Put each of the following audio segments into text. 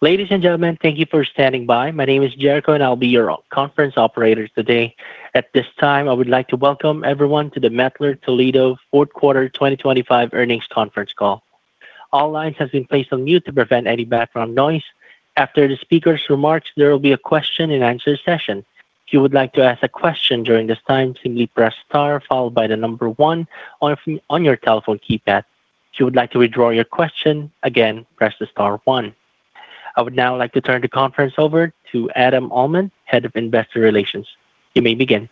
Ladies and gentlemen, thank you for standing by. My name is Jericho, and I'll be your conference operator today. At this time, I would like to welcome everyone to the Mettler-Toledo Fourth Quarter 2025 Earnings Conference Call. All lines have been placed on mute to prevent any background noise. After the speaker's remarks, there will be a question and answer session. If you would like to ask a question during this time, simply press star followed by the number 1 on your telephone keypad. If you would like to withdraw your question, again, press star 1. I would now like to turn the conference over to Adam Uhlman, Head of Investor Relations. You may begin.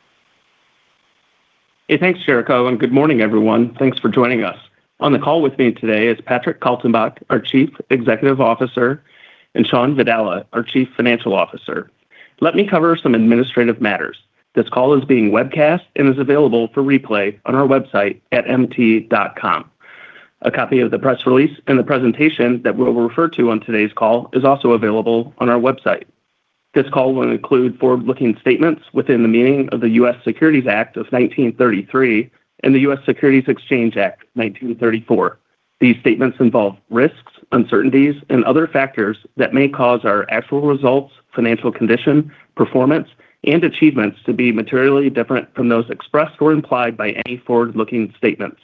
Hey, thanks, Jericho, and good morning, everyone. Thanks for joining us. On the call with me today is Patrick Kaltenbach, our Chief Executive Officer, and Shawn Vadala, our Chief Financial Officer. Let me cover some administrative matters. This call is being webcasted and is available for replay on our website at mt.com. A copy of the press release and the presentation that we'll refer to on today's call is also available on our website. This call will include forward-looking statements within the meaning of the U.S. Securities Act of 1933 and the U.S. Securities Exchange Act, 1934. These statements involve risks, uncertainties, and other factors that may cause our actual results, financial condition, performance, and achievements to be materially different from those expressed or implied by any forward-looking statements.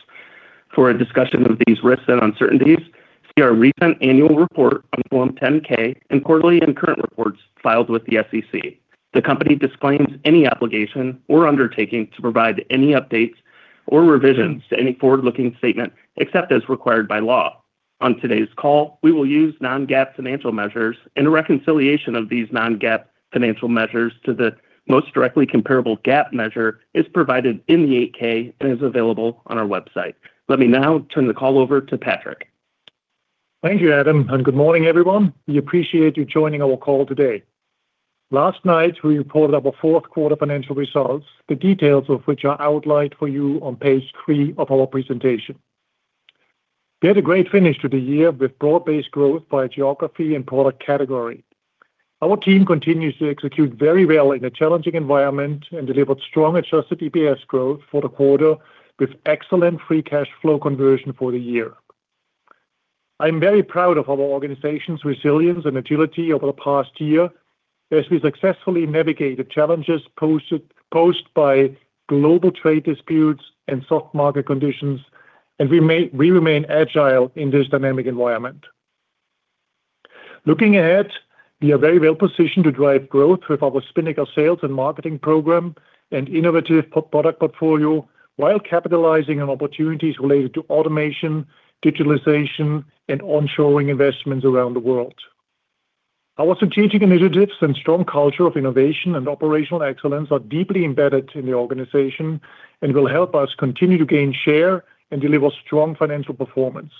For a discussion of these risks and uncertainties, see our recent annual report on Form 10-K and quarterly and current reports filed with the SEC. The company disclaims any obligation or undertaking to provide any updates or revisions to any forward-looking statement, except as required by law. On today's call, we will use non-GAAP financial measures, and a reconciliation of these non-GAAP financial measures to the most directly comparable GAAP measure is provided in the 8-K and is available on our website. Let me now turn the call over to Patrick. Thank you, Adam, and good morning, everyone. We appreciate you joining our call today. Last night, we reported our fourth quarter financial results, the details of which are outlined for you on page three of our presentation. We had a great finish to the year with broad-based growth by geography and product category. Our team continues to execute very well in a challenging environment and delivered strong adjusted EPS growth for the quarter, with excellent free cash flow conversion for the year. I'm very proud of our organization's resilience and agility over the past year as we successfully navigated challenges posed by global trade disputes and soft market conditions, and we remain agile in this dynamic environment. Looking ahead, we are very well positioned to drive growth with our Spinnaker sales and marketing program and innovative product portfolio, while capitalizing on opportunities related to automation, digitalization, and onshoring investments around the world. Our strategic initiatives and strong culture of innovation and operational excellence are deeply embedded in the organization and will help us continue to gain share and deliver strong financial performance.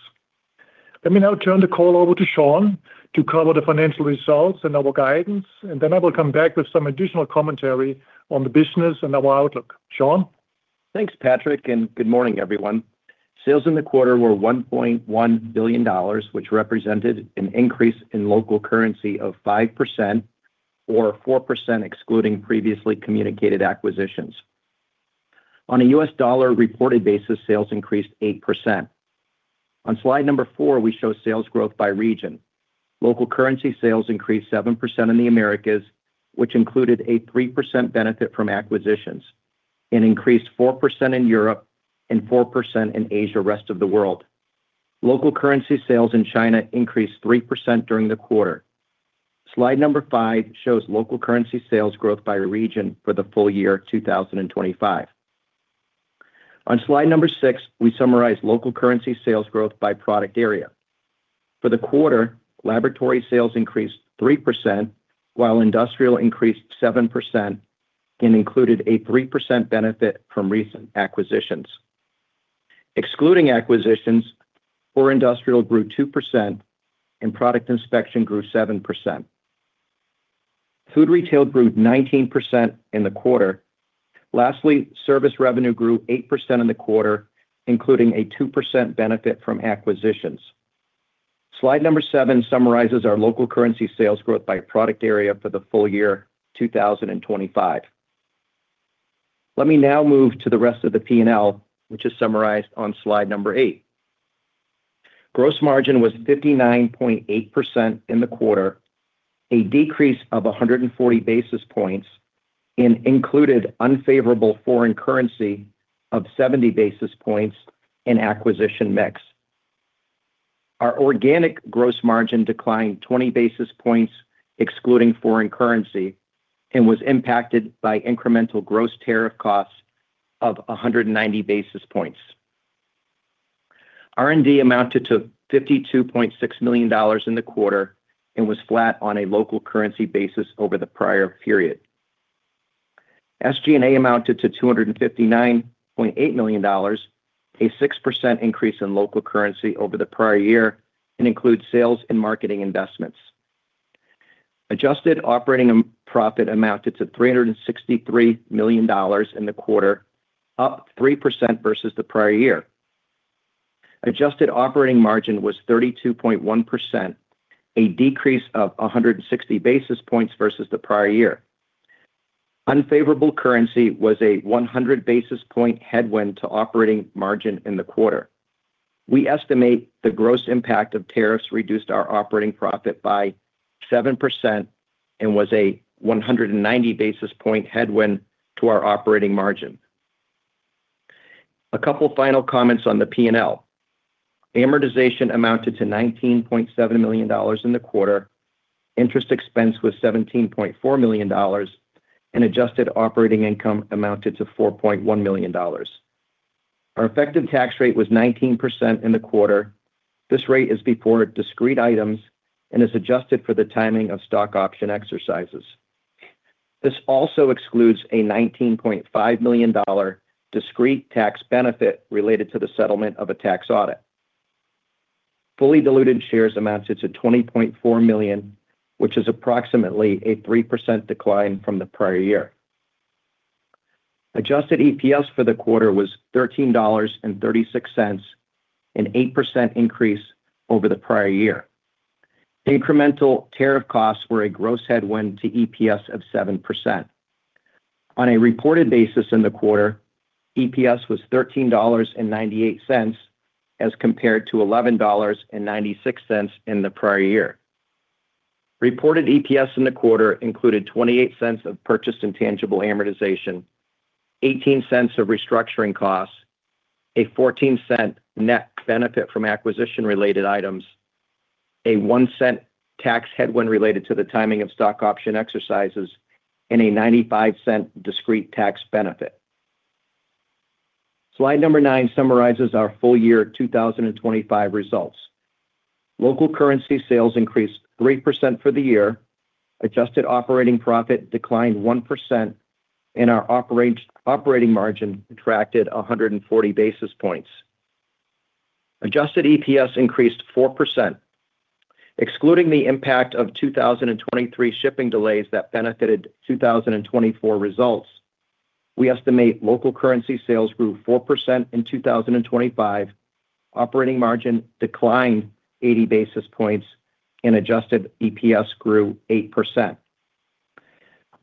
Let me now turn the call over to Shawn to cover the financial results and our guidance, and then I will come back with some additional commentary on the business and our outlook. Shawn? Thanks, Patrick, and good morning, everyone. Sales in the quarter were $1.1 billion, which represented an increase in local currency of 5% or 4%, excluding previously communicated acquisitions. On a US dollar reported basis, sales increased 8%. On slide number 4, we show sales growth by region. Local currency sales increased 7% in the Americas, which included a 3% benefit from acquisitions and increased 4% in Europe and 4% in Asia, rest of the world. Local currency sales in China increased 3% during the quarter. Slide number 5 shows local currency sales growth by region for the full-year 2025. On slide number 6, we summarize local currency sales growth by product area. For the quarter, laboratory sales increased 3%, while industrial increased 7%, and included a 3% benefit from recent acquisitions. Excluding acquisitions, for industrial grew 2% and product inspection grew 7%. Food retail grew 19% in the quarter. Lastly, service revenue grew 8% in the quarter, including a 2% benefit from acquisitions. Slide number 7 summarizes our local currency sales growth by product area for the full-year 2025. Let me now move to the rest of the P&L, which is summarized on slide number 8. Gross margin was 59.8% in the quarter, a decrease of 140 basis points and included unfavorable foreign currency of 70 basis points in acquisition mix. Our organic gross margin declined 20 basis points, excluding foreign currency, and was impacted by incremental gross tariff costs of 190 basis points. R&D amounted to $52.6 million in the quarter and was flat on a local currency basis over the prior period. SG&A amounted to $259.8 million, a 6% increase in local currency over the prior year and includes sales and marketing investments. Adjusted operating profit amounted to $363 million in the quarter, up 3% versus the prior year. Adjusted operating margin was 32.1%, a decrease of 160 basis points versus the prior year. Unfavorable currency was a 100 basis point headwind to operating margin in the quarter. We estimate the gross impact of tariffs reduced our operating profit by 7% and was a 190 basis point headwind to our operating margin. A couple final comments on the P&L. Amortization amounted to $19.7 million in the quarter. Interest expense was $17.4 million, and adjusted operating income amounted to $4.1 million. Our effective tax rate was 19% in the quarter. This rate is before discrete items and is adjusted for the timing of stock option exercises. This also excludes a $19.5 million discrete tax benefit related to the settlement of a tax audit. Fully diluted shares amounted to 20.4 million, which is approximately a 3% decline from the prior year. Adjusted EPS for the quarter was $13.36, an 8% increase over the prior year. Incremental tariff costs were a gross headwind to EPS of 7%. On a reported basis in the quarter, EPS was $13.98, as compared to $11.96 in the prior year. Reported EPS in the quarter included $0.28 of purchased intangible amortization, $0.18 of restructuring costs, a $0.14 net benefit from acquisition-related items, a $0.01 tax headwind related to the timing of stock option exercises, and a $0.95 discrete tax benefit. Slide 9 summarizes our full-year 2025 results. Local currency sales increased 3% for the year. Adjusted operating profit declined 1%, and our operating margin contracted 140 basis points. Adjusted EPS increased 4%. Excluding the impact of 2023 shipping delays that benefited 2024 results, we estimate local currency sales grew 4% in 2025, operating margin declined 80 basis points, and adjusted EPS grew 8%.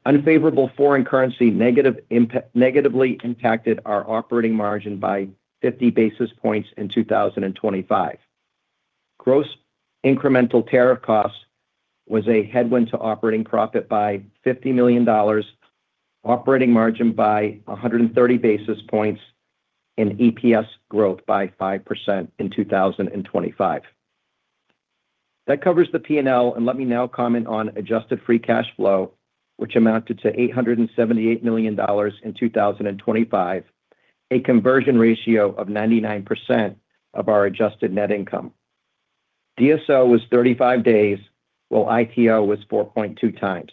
Unfavorable foreign currency negatively impacted our operating margin by 50 basis points in 2025. Gross incremental tariff costs was a headwind to operating profit by $50 million, operating margin by 130 basis points, and EPS growth by 5% in 2025. That covers the P&L, and let me now comment on adjusted free cash flow, which amounted to $878 million in 2025, a conversion ratio of 99% of our adjusted net income. DSO was 35 days, while ITO was 4.2 times.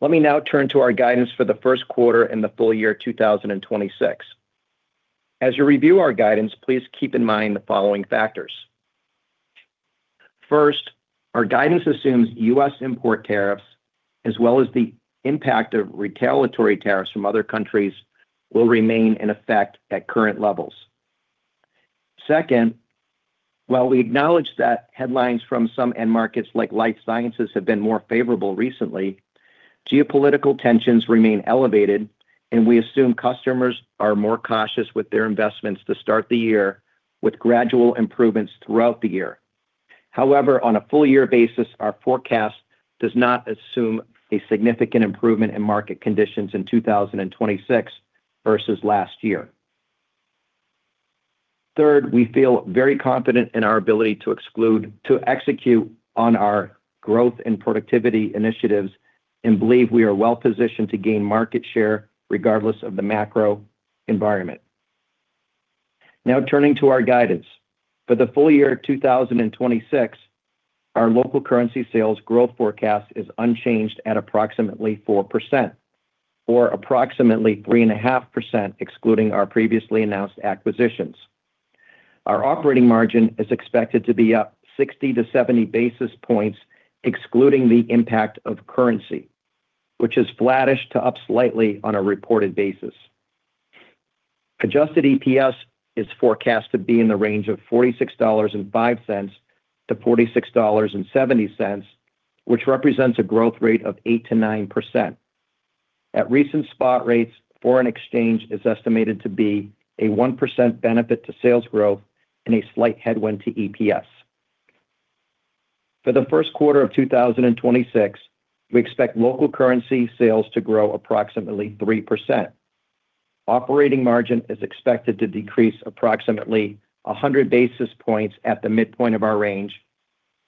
Let me now turn to our guidance for the first quarter and the full-year 2026. As you review our guidance, please keep in mind the following factors: First, our guidance assumes U.S. import tariffs, as well as the impact of retaliatory tariffs from other countries, will remain in effect at current levels. Second, while we acknowledge that headlines from some end markets like life sciences have been more favorable recently, geopolitical tensions remain elevated, and we assume customers are more cautious with their investments to start the year, with gradual improvements throughout the year. However, on a full-year basis, our forecast does not assume a significant improvement in market conditions in 2026 versus last year. Third, we feel very confident in our ability to exclude, to execute on our growth and productivity initiatives and believe we are well positioned to gain market share regardless of the macro environment. Now, turning to our guidance. For the full-year 2026, our local currency sales growth forecast is unchanged at approximately 4%, or approximately 3.5%, excluding our previously announced acquisitions. Our operating margin is expected to be up 60-70 basis points, excluding the impact of currency, which is flattish to up slightly on a reported basis. Adjusted EPS is forecast to be in the range of $46.05-$46.70, which represents a growth rate of 8%-9%. At recent spot rates, foreign exchange is estimated to be a 1% benefit to sales growth and a slight headwind to EPS. For the first quarter of 2026, we expect local currency sales to grow approximately 3%. Operating margin is expected to decrease approximately 100 basis points at the midpoint of our range,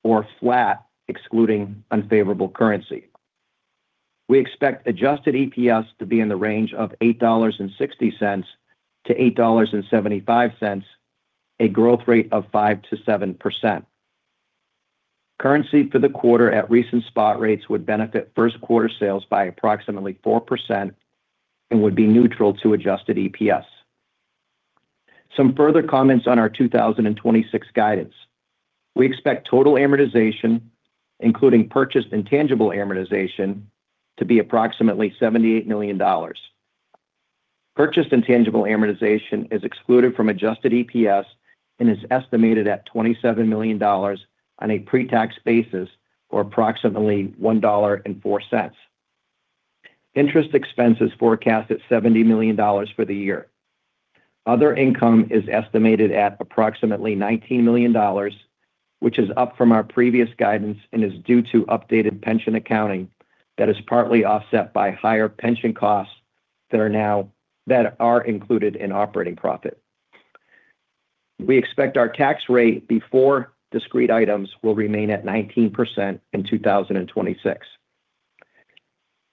or flat, excluding unfavorable currency. We expect adjusted EPS to be in the range of $8.60-$8.75, a growth rate of 5%-7%. Currency for the quarter at recent spot rates would benefit first quarter sales by approximately 4% and would be neutral to adjusted EPS. Some further comments on our 2026 guidance. We expect total amortization, including purchased intangible amortization, to be approximately $78 million. Purchased intangible amortization is excluded from adjusted EPS and is estimated at $27 million on a pre-tax basis, or approximately $1.04. Interest expense is forecast at $70 million for the year. Other income is estimated at approximately $19 million, which is up from our previous guidance and is due to updated pension accounting that is partly offset by higher pension costs that are included in operating profit. We expect our tax rate before discrete items will remain at 19% in 2026.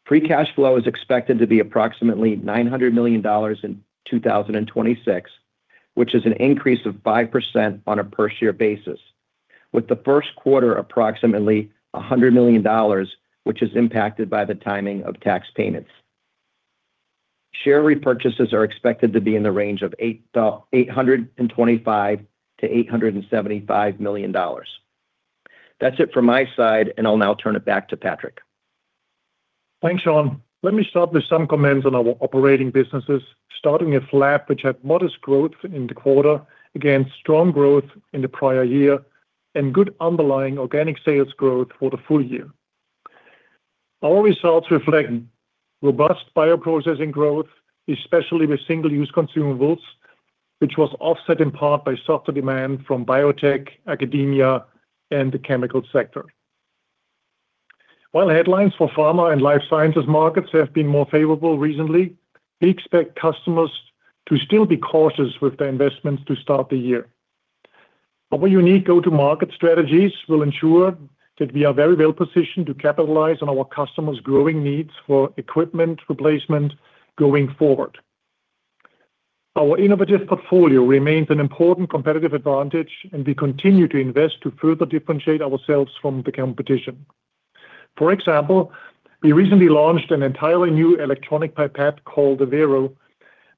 Free cash flow is expected to be approximately $900 million in 2026, which is an increase of 5% on a per share basis, with the first quarter approximately $100 million, which is impacted by the timing of tax payments. Share repurchases are expected to be in the range of $825 million-$875 million. That's it from my side, and I'll now turn it back to Patrick. Thanks, Shawn. Let me start with some comments on our operating businesses, starting with lab, which had modest growth in the quarter, again, strong growth in the prior year and good underlying organic sales growth for the full-year. Our results reflect robust bioprocessing growth, especially with single-use consumables, which was offset in part by softer demand from biotech, academia, and the chemical sector. While the headlines for pharma and life sciences markets have been more favorable recently, we expect customers to still be cautious with their investments to start the year. Our unique go-to-market strategies will ensure that we are very well positioned to capitalize on our customers' growing needs for equipment replacement going forward. Our innovative portfolio remains an important competitive advantage, and we continue to invest to further differentiate ourselves from the competition. For example, we recently launched an entirely new electronic pipette called the Vero,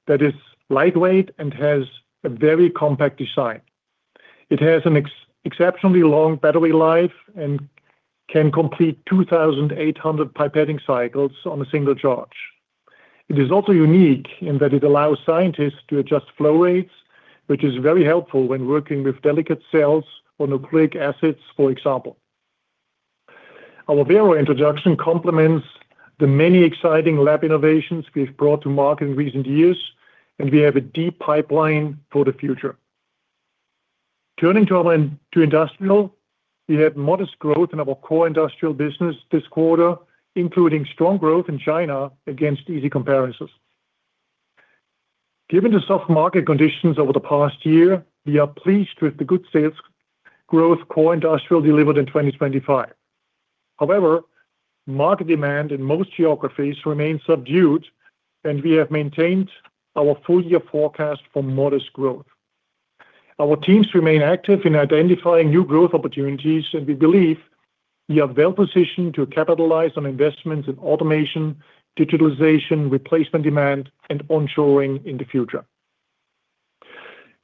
that is lightweight and has a very compact design. It has an exceptionally long battery life and can complete 2,800 pipetting cycles on a single charge. It is also unique in that it allows scientists to adjust flow rates, which is very helpful when working with delicate cells or nucleic acids, for example. Our Vero introduction complements the many exciting lab innovations we've brought to market in recent years, and we have a deep pipeline for the future. Turning to our industrial, we had modest growth in our core industrial business this quarter, including strong growth in China against easy comparisons. Given the soft market conditions over the past year, we are pleased with the good sales growth core industrial delivered in 2025. However, market demand in most geographies remains subdued, and we have maintained our full-year forecast for modest growth. Our teams remain active in identifying new growth opportunities, and we believe we are well positioned to capitalize on investments in automation, digitalization, replacement demand, and onshoring in the future.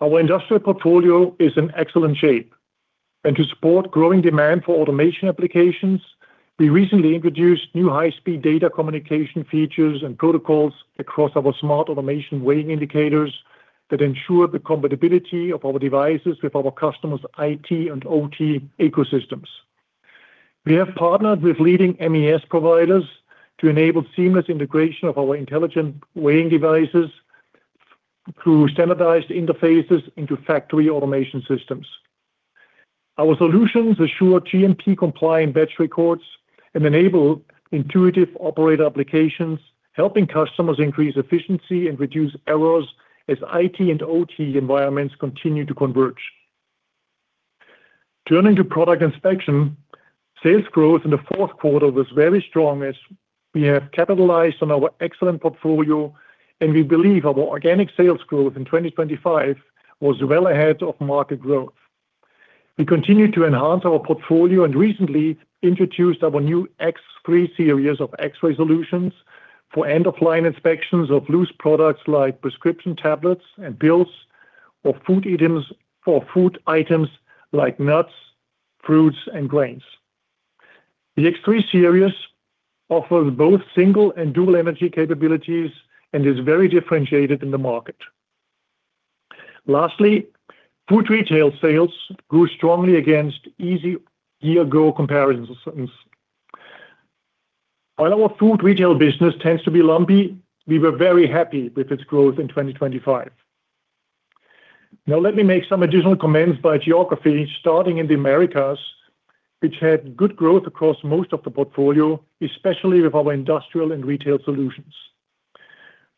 Our industrial portfolio is in excellent shape, and to support growing demand for automation applications, we recently introduced new high-speed data communication features and protocols across our smart automation weighing indicators that ensure the compatibility of our devices with our customers' IT and OT ecosystems. We have partnered with leading MES providers to enable seamless integration of our intelligent weighing devices through standardized interfaces into factory automation systems. Our solutions ensure GMP-compliant batch records and enable intuitive operator applications, helping customers increase efficiency and reduce errors as IT and OT environments continue to converge. Turning to product inspection, sales growth in the fourth quarter was very strong as we have capitalized on our excellent portfolio, and we believe our organic sales growth in 2025 was well ahead of market growth. We continued to enhance our portfolio and recently introduced our new X3 series of X-ray solutions for end-of-line inspections of loose products like prescription tablets and pills or food items, for food items like nuts, fruits, and grains. The X3 series offers both single and dual energy capabilities and is very differentiated in the market. Lastly, food retail sales grew strongly against easy year-ago comparisons. While our food retail business tends to be lumpy, we were very happy with its growth in 2025. Now, let me make some additional comments by geography, starting in the Americas, which had good growth across most of the portfolio, especially with our industrial and retail solutions.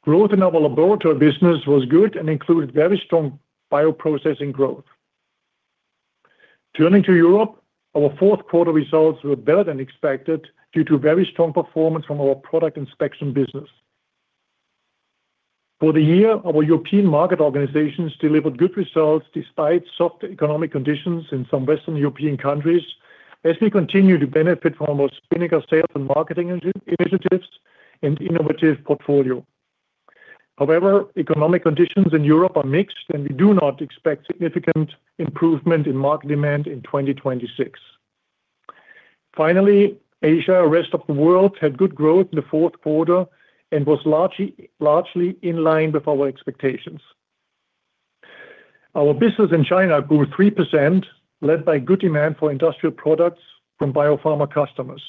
Growth in our laboratory business was good and included very strong bioprocessing growth. Turning to Europe, our fourth quarter results were better than expected due to very strong performance from our product inspection business. For the year, our European market organizations delivered good results despite soft economic conditions in some Western European countries, as we continue to benefit from our strategic sales and marketing initiatives and innovative portfolio. However, economic conditions in Europe are mixed, and we do not expect significant improvement in market demand in 2026. Finally, Asia, rest of the world, had good growth in the fourth quarter and was largely in line with our expectations. Our business in China grew 3%, led by good demand for industrial products from biopharma customers.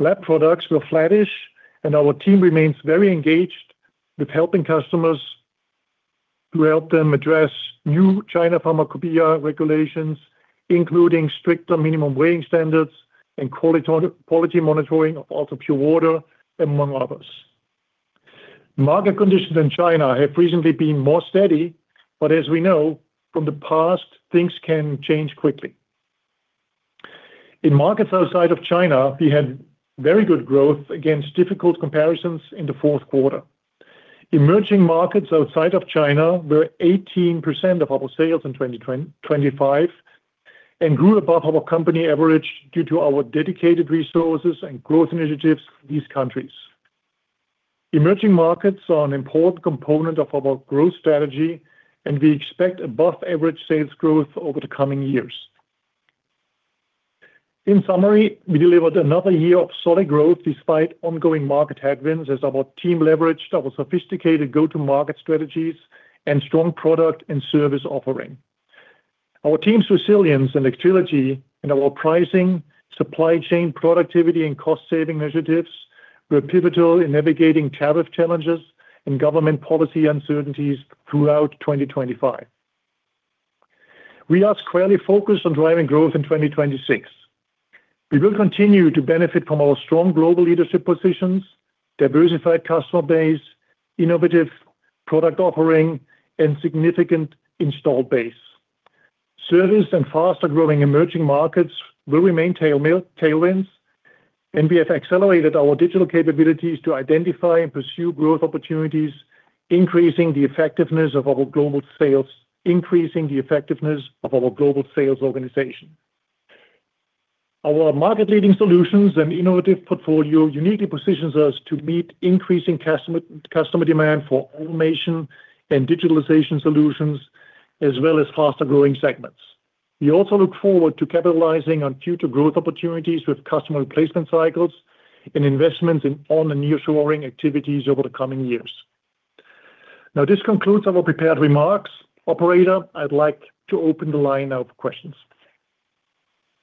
Lab products were flattish, and our team remains very engaged with helping customers to help them address new China Pharmacopoeia regulations, including stricter minimum weighing standards and quality audit, quality monitoring of ultrapure water, among others. Market conditions in China have recently been more steady, but as we know from the past, things can change quickly. In markets outside of China, we had very good growth against difficult comparisons in the fourth quarter. Emerging markets outside of China were 18% of our sales in 2025 and grew above our company average due to our dedicated resources and growth initiatives in these countries. Emerging markets are an important component of our growth strategy, and we expect above-average sales growth over the coming years. In summary, we delivered another year of solid growth despite ongoing market headwinds, as our team leveraged our sophisticated go-to-market strategies and strong product and service offering. Our team's resilience and agility in our pricing, supply chain, productivity, and cost-saving initiatives were pivotal in navigating tariff challenges and government policy uncertainties throughout 2025. We are squarely focused on driving growth in 2026. We will continue to benefit from our strong global leadership positions, diversified customer base, innovative product offering, and significant installed base. Service and faster-growing emerging markets will remain tailwinds, and we have accelerated our digital capabilities to identify and pursue growth opportunities, increasing the effectiveness of our global sales organization. Our market-leading solutions and innovative portfolio uniquely positions us to meet increasing customer demand for automation and digitalization solutions, as well as faster-growing segments. We also look forward to capitalizing on future growth opportunities with customer replacement cycles and investments in on- and nearshoring activities over the coming years. Now, this concludes our prepared remarks. Operator, I'd like to open the line now for questions.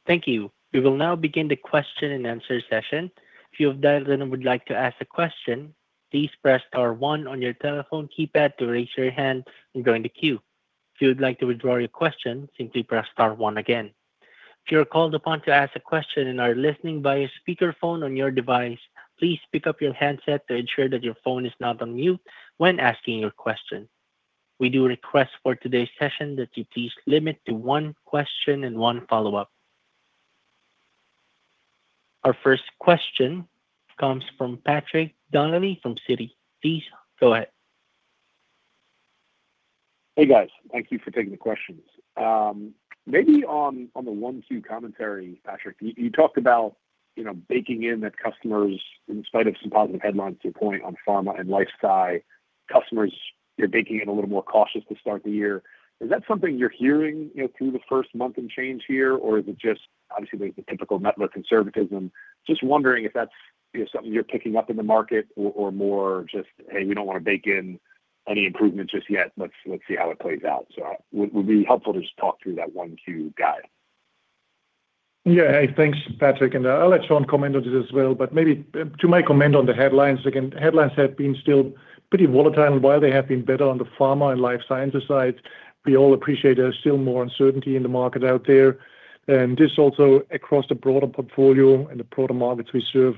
Thank you. We will now begin the question-and-answer session. If you have dialed in and would like to ask a question, please press star one on your telephone keypad to raise your hand and join the queue. If you would like to withdraw your question, simply press star one again. If you are called upon to ask a question and are listening via speakerphone on your device, please pick up your handset to ensure that your phone is not on mute when asking your question. We do request for today's session that you please limit to one question and one follow-up. Our first question comes from Patrick Donnelly from Citi. Please, go ahead. Hey, guys. Thank you for taking the questions. Maybe on the 1Q commentary, Patrick, you talked about, you know, baking in that customers, in spite of some positive headlines, to your point on pharma and life sciences, customers, you're baking in a little more cautious to start the year. Is that something you're hearing, you know, through the first month and change here, or is it just obviously the typical management conservatism? Just wondering if that's, you know, something you're picking up in the market or more just, "Hey, we don't want to bake in any improvements just yet. Let's see how it plays out." So would be helpful to just talk through that 1Q guide. Yeah. Hey, thanks, Patrick, and I'll let Shawn comment on this as well. But maybe to my comment on the headlines, again, headlines have been still pretty volatile. And while they have been better on the pharma and life sciences side, we all appreciate there's still more uncertainty in the market out there. And this also across the broader portfolio and the broader markets we serve,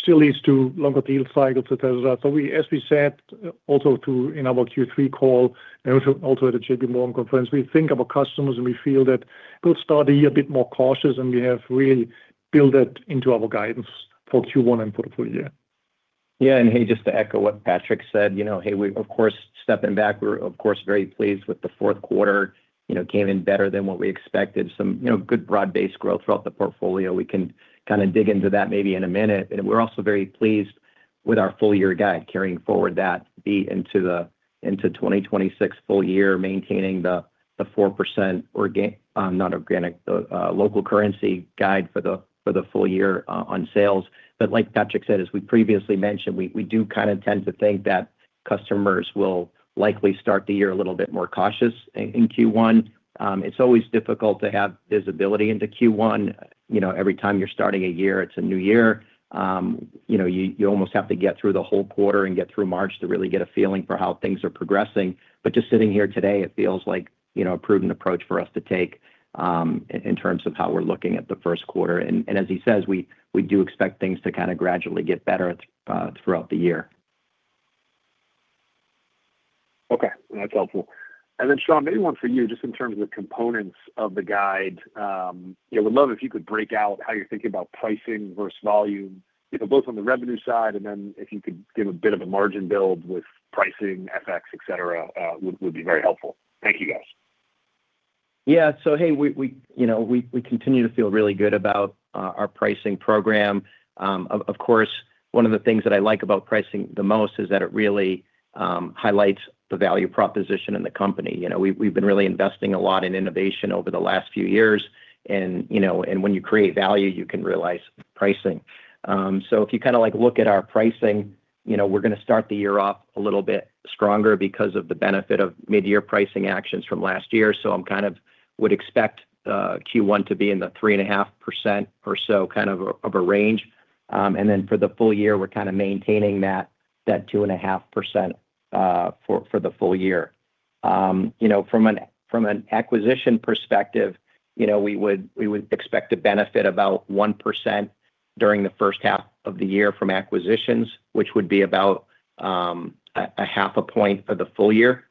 still leads to longer deal cycles, et cetera. So we, as we said, also too, in our Q3 call and also at the J.P. Morgan conference, we think about customers, and we feel that they'll start the year a bit more cautious, and we have really built that into our guidance for Q1 and for the full-year. Yeah, and hey, just to echo what Patrick said, you know, hey, we, of course, stepping back, we're of course, very pleased with the fourth quarter. You know, came in better than what we expected. Some, you know, good broad-based growth throughout the portfolio. We can kind of dig into that maybe in a minute. And we're also very pleased with our full-year guide, carrying forward that be into the, into 2026 full-year, maintaining the, the 4% organ, not organic, the local currency guide for the, for the full-year on, on sales. But like Patrick said, as we previously mentioned, we do kind of tend to think that customers will likely start the year a little bit more cautious in Q1. It's always difficult to have visibility into Q1. You know, every time you're starting a year, it's a new year. You know, you almost have to get through the whole quarter and get through March to really get a feeling for how things are progressing. But just sitting here today, it feels like, you know, a prudent approach for us to take in terms of how we're looking at the first quarter. And as he says, we do expect things to kind of gradually get better throughout the year. Okay, that's helpful. And then, Shawn, maybe one for you, just in terms of the components of the guide. You know, would love if you could break out how you're thinking about pricing versus volume, you know, both on the revenue side and then if you could give a bit of a margin build with pricing, FX, et cetera, would be very helpful. Thank you, guys. Yeah. So, hey, you know, we continue to feel really good about our pricing program. Of course, one of the things that I like about pricing the most is that it highlights the value proposition in the company. You know, we've been really investing a lot in innovation over the last few years and, you know, when you create value, you can realize pricing. So if you kinda, like, look at our pricing, you know, we're gonna start the year off a little bit stronger because of the benefit of mid-year pricing actions from last year. So I would expect Q1 to be in the 3.5% or so, kind of, range. And then for the full-year, we're kind of maintaining that 2.5% for the full-year. You know, from an acquisition perspective, you know, we would expect to benefit about 1% during the first half of the year from acquisitions, which would be about 0.5 point for the full-year.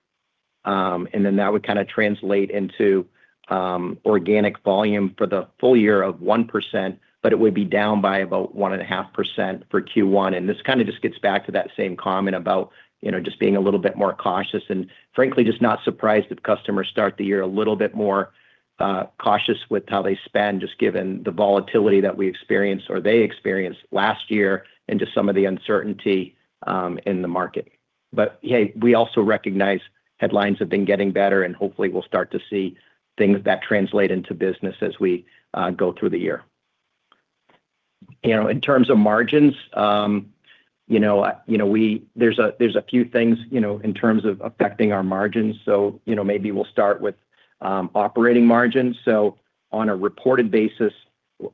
And then that would kinda translate into organic volume for the full-year of 1%, but it would be down by about 1.5% for Q1. This kinda just gets back to that same comment about, you know, just being a little bit more cautious and frankly, just not surprised if customers start the year a little bit more cautious with how they spend, just given the volatility that we experienced or they experienced last year, and just some of the uncertainty in the market. But hey, we also recognize headlines have been getting better, and hopefully, we'll start to see things that translate into business as we go through the year. You know, in terms of margins, you know, there's a few things, you know, in terms of affecting our margins, so, you know, maybe we'll start with operating margins. So on a reported basis...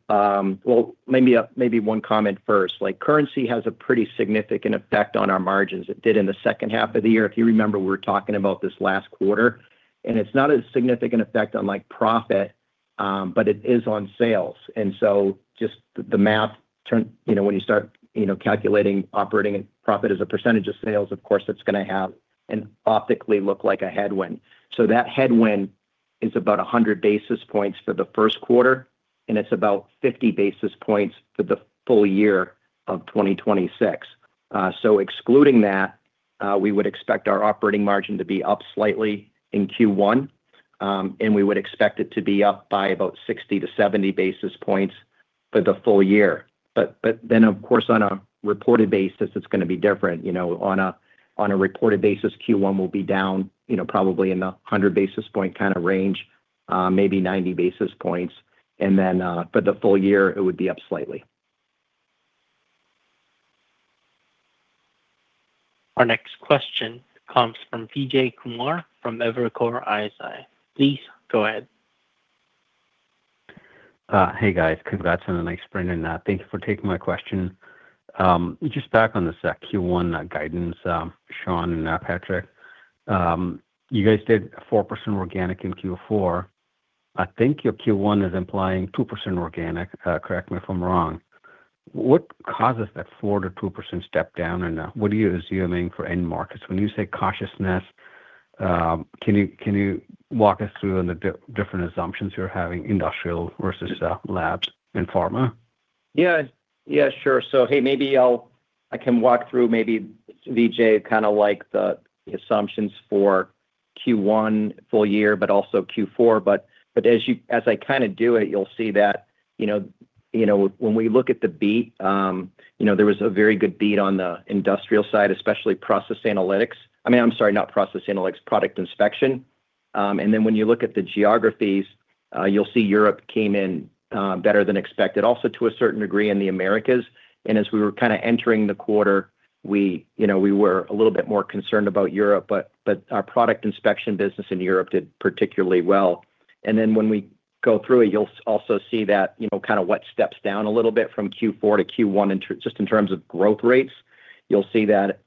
Well, maybe one comment first. Like, currency has a pretty significant effect on our margins. It did in the second half of the year. If you remember, we were talking about this last quarter, and it's not a significant effect on, like, profit, but it is on sales. So just the, the math turn- you know, when you start, you know, calculating operating profit as a percentage of sales, of course, it's gonna have an optically look like a headwind. So that headwind is about 100 basis points for the first quarter, and it's about 50 basis points for the full-year of 2026. So excluding that, we would expect our operating margin to be up slightly in Q1, and we would expect it to be up by about 60-70 basis points for the full-year. But then, of course, on a reported basis, it's gonna be different. You know, on a reported basis, Q1 will be down, you know, probably in the 100 basis point kinda range, maybe 90 basis points, and then, for the full-year, it would be up slightly. Our next question comes from Vijay Kumar from Evercore ISI. Please go ahead. Hey, guys. Congrats on a nice quarter, and thank you for taking my question. Just back on the Q1 guidance, Shawn and Patrick, you guys did a 4% organic in Q4. I think your Q1 is implying 2% organic, correct me if I'm wrong. What causes that 4%-2% step down, and what are you assuming for end markets? When you say cautiousness, can you, can you walk us through on the different assumptions you're having industrial versus labs and pharma? Yeah, yeah, sure. So hey, maybe I can walk through maybe, Vijay, kinda like the assumptions for Q1 full-year, but also Q4. But as I kinda do it, you'll see that, you know, you know, when we look at the beat, you know, there was a very good beat on the industrial side, especially process analytics. I mean, I'm sorry, not process analytics, product inspection. And then when you look at the geographies, you'll see Europe came in better than expected, also to a certain degree in the Americas. And as we were kinda entering the quarter, we, you know, we were a little bit more concerned about Europe, but our product inspection business in Europe did particularly well. And then when we go through it, you'll also see that, you know, kind of what steps down a little bit from Q4 to Q1 in terms just in terms of growth rates. You'll see that,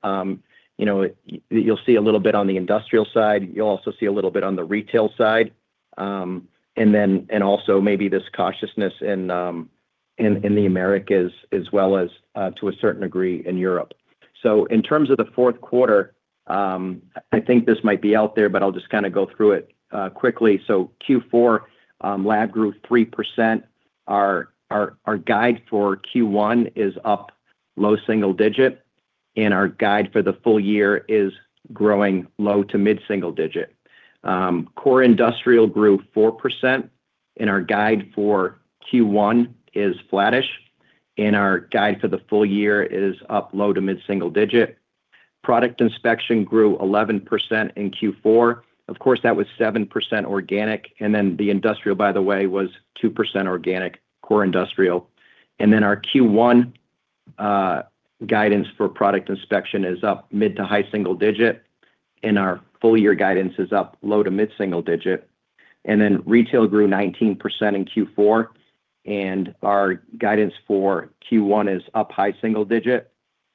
you know, you'll see a little bit on the industrial side. You'll also see a little bit on the retail side, and then, and also maybe this cautiousness in the Americas, as well as to a certain degree in Europe. So in terms of the fourth quarter, I think this might be out there, but I'll just kind of go through it quickly. So Q4, Lab grew 3%. Our guide for Q1 is up low single digit, and our guide for the full-year is growing low to mid single digit. Core industrial grew 4%, and our guide for Q1 is flattish, and our guide for the full-year is up low- to mid-single-digit. Product inspection grew 11% in Q4. Of course, that was 7% organic, and then the industrial, by the way, was 2% organic, core industrial. And then our Q1 guidance for product inspection is up mid- to high-single-digit, and our full-year guidance is up low- to mid-single-digit. And then retail grew 19% in Q4, and our guidance for Q1 is up high-single-digit,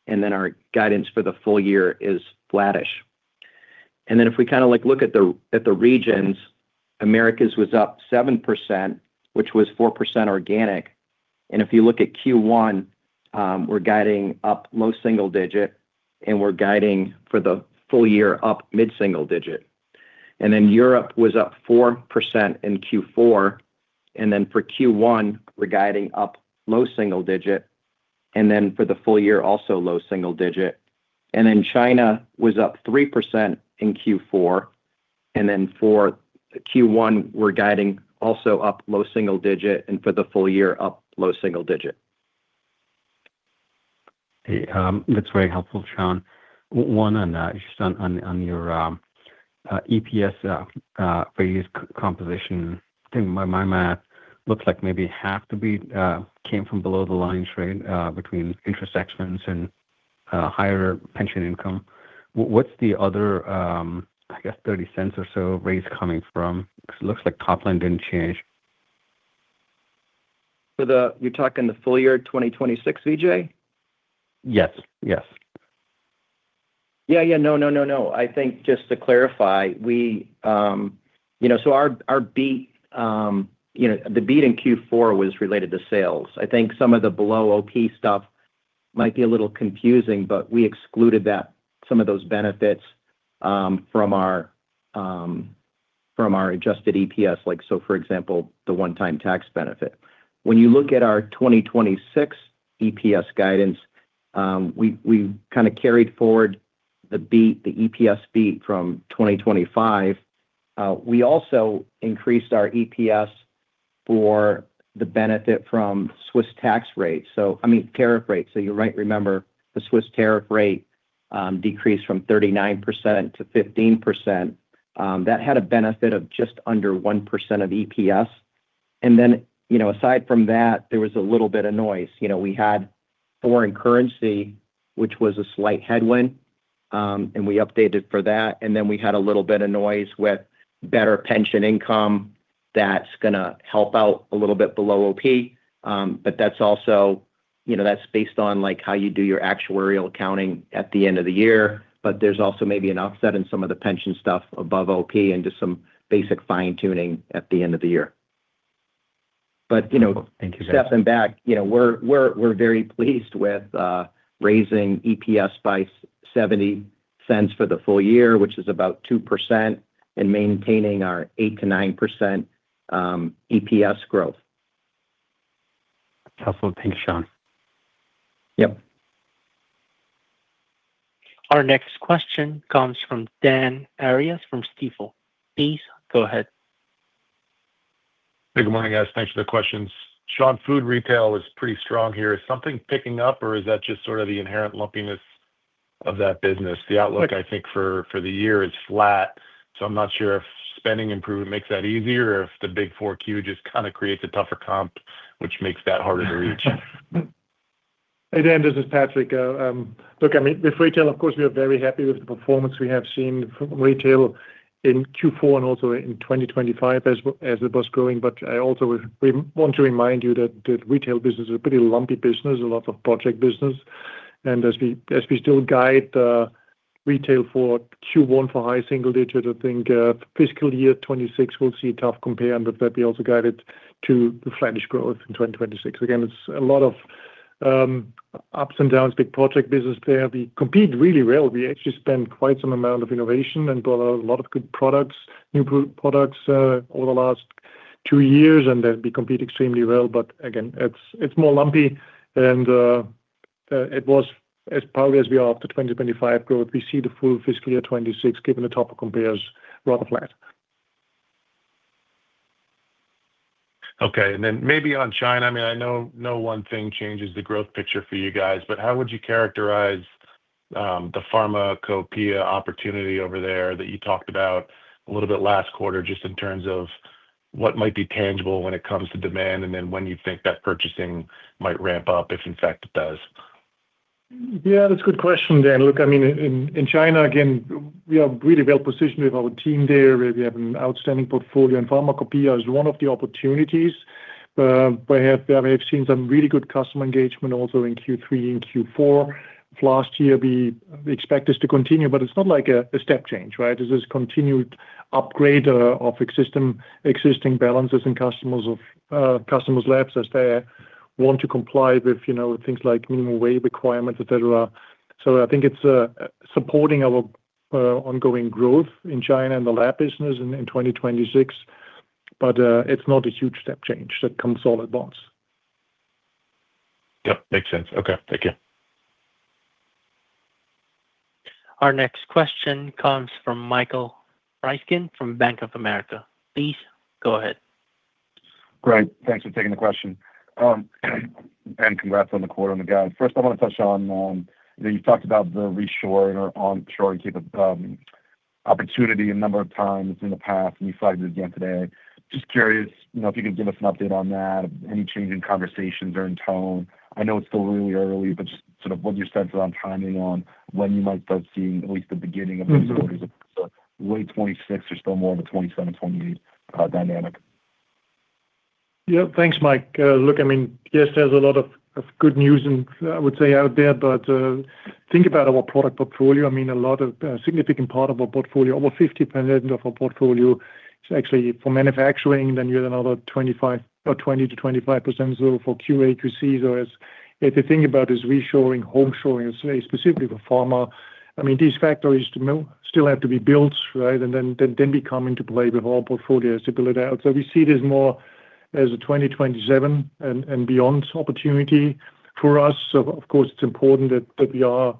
and then our guidance for the full-year is flattish. And then, if we kinda, like, look at the, at the regions, Americas was up 7%, which was 4% organic. If you look at Q1, we're guiding up low single-digit, and we're guiding for the full-year up mid-single-digit. Then Europe was up 4% in Q4, and then for Q1, we're guiding up low single-digit, and then for the full-year, also low single-digit. Then China was up 3% in Q4, and then for Q1, we're guiding also up low single-digit, and for the full-year, up low single-digit. Hey, that's very helpful, Shawn. One, on just on your EPS for its composition. I think my math looks like maybe half of it came from below the line trade between interest expense and higher pension income. What's the other, I guess, $0.30 or so raise coming from? 'Cause it looks like top line didn't change. You're talking the full-year 2026, Vijay? Yes. Yes. Yeah, yeah. No, no, no, no. I think just to clarify, we. You know, so our, our beat, you know, the beat in Q4 was related to sales. I think some of the below OP stuff might be a little confusing, but we excluded that, some of those benefits, from our, from our adjusted EPS. Like, so for example, the one-time tax benefit. When you look at our 2026 EPS guidance, we, we kinda carried forward the beat, the EPS beat from 2025. We also increased our EPS for the benefit from Swiss tax rates, so I mean, tariff rates. So you're right, remember, the Swiss tariff rate, decreased from 39% to 15%. That had a benefit of just under 1% of EPS. And then, you know, aside from that, there was a little bit of noise. You know, we had foreign currency, which was a slight headwind, and we updated for that. And then we had a little bit of noise with better pension income that's gonna help out a little bit below OP. But that's also, you know, that's based on, like, how you do your actuarial accounting at the end of the year. But there's also maybe an offset in some of the pension stuff above OP and just some basic fine-tuning at the end of the year. But, you know- Thank you, guys. Stepping back, you know, we're very pleased with raising EPS by $0.70 for the full-year, which is about 2%, and maintaining our 8%-9% EPS growth. Helpful. Thanks, Shawn. Yep. Our next question comes from Dan Arias from Stifel. Please, go ahead. Hey, good morning, guys. Thanks for the questions. Shawn, food retail is pretty strong here. Is something picking up, or is that just sort of the inherent lumpiness of that business? The outlook, I think, for the year is flat, so I'm not sure if spending improvement makes that easier or if the big 4Q just kinda creates a tougher comp, which makes that harder to reach. Hey, Dan, this is Patrick. Look, I mean, with retail, of course, we are very happy with the performance we have seen from retail in Q4 and also in 2025 as it was growing. But we also want to remind you that the retail business is a pretty lumpy business, a lot of project business. And as we still guide retail for Q1 for high single digit, I think, fiscal year 2026, we'll see a tough compare, but that we also guided to the flattish growth in 2026. Again, it's a lot of ups and downs, big project business there. We compete really well. We actually spend quite some amount of innovation and build a lot of good products, new products, over the last two years, and we compete extremely well. But again, it's more lumpy than it was. As proud as we are of the 2025 growth, we see the full fiscal year 2026, given the tougher compares, rather flat. Okay. And then maybe on China, I mean, I know, no one thing changes the growth picture for you guys, but how would you characterize, the pharmacopeia opportunity over there that you talked about a little bit last quarter, just in terms of what might be tangible when it comes to demand, and then when you think that purchasing might ramp up, if in fact it does? Yeah, that's a good question, Dan. Look, I mean, in China, again, we are really well positioned with our team there, where we have an outstanding portfolio, and pharmacopoeia is one of the opportunities. We have seen some really good customer engagement also in Q3 and Q4 of last year. We expect this to continue, but it's not like a step change, right? This is continued upgrade of system existing balances in customers of customers' labs as they want to comply with, you know, things like minimum wage requirements, et cetera. So I think it's supporting our ongoing growth in China and the lab business in 2026, but it's not a huge step change that comes all at once. Yep. Makes sense. Okay. Thank you. Our next question comes from Michael Ryskin from Bank of America. Please go ahead. Great. Thanks for taking the question. And congrats on the quarter and the guide. First, I wanna touch on, you know, you talked about the reshoring or onshoring opportunity a number of times in the past, and you flagged it again today. Just curious, you know, if you could give us an update on that, any change in conversations or in tone. I know it's still really early, but just sort of what's your sense around timing on when you might start seeing at least the beginning of the orders of late 2026 or still more of a 2027 or 2028 dynamic? Yeah. Thanks, Mike. Look, I mean, yes, there's a lot of good news, I would say, out there, but think about our product portfolio. I mean, a lot of significant part of our portfolio, over 50% of our portfolio is actually for manufacturing, then you have another 25% or 20%-25% is for QA, QC. So as, if the thing about is reshoring, homeshoring, specifically for pharma, I mean, these factories still have to be built, right? And then we come into play with our portfolios to build it out. So we see it as more as a 2027 and beyond opportunity for us. So of course, it's important that we are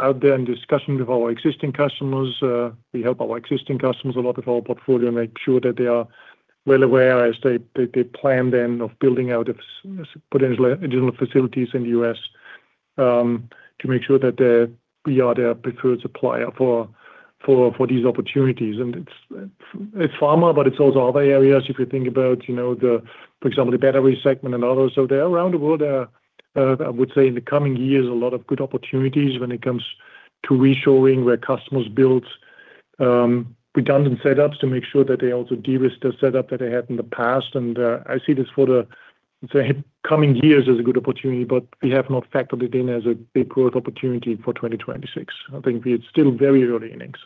out there in discussion with our existing customers. We help our existing customers a lot with our portfolio, make sure that they are well aware as they plan then of building out potential additional facilities in the US, to make sure that we are their preferred supplier for these opportunities. And it's pharma, but it's also other areas. If you think about, you know, for example, the battery segment and others. So there around the world, I would say in the coming years, a lot of good opportunities when it comes to reshoring, where customers build redundant setups to make sure that they also de-risk the setup that they had in the past. And I see this for the coming years as a good opportunity, but we have not factored it in as a big growth opportunity for 2026. I think we're still very early innings.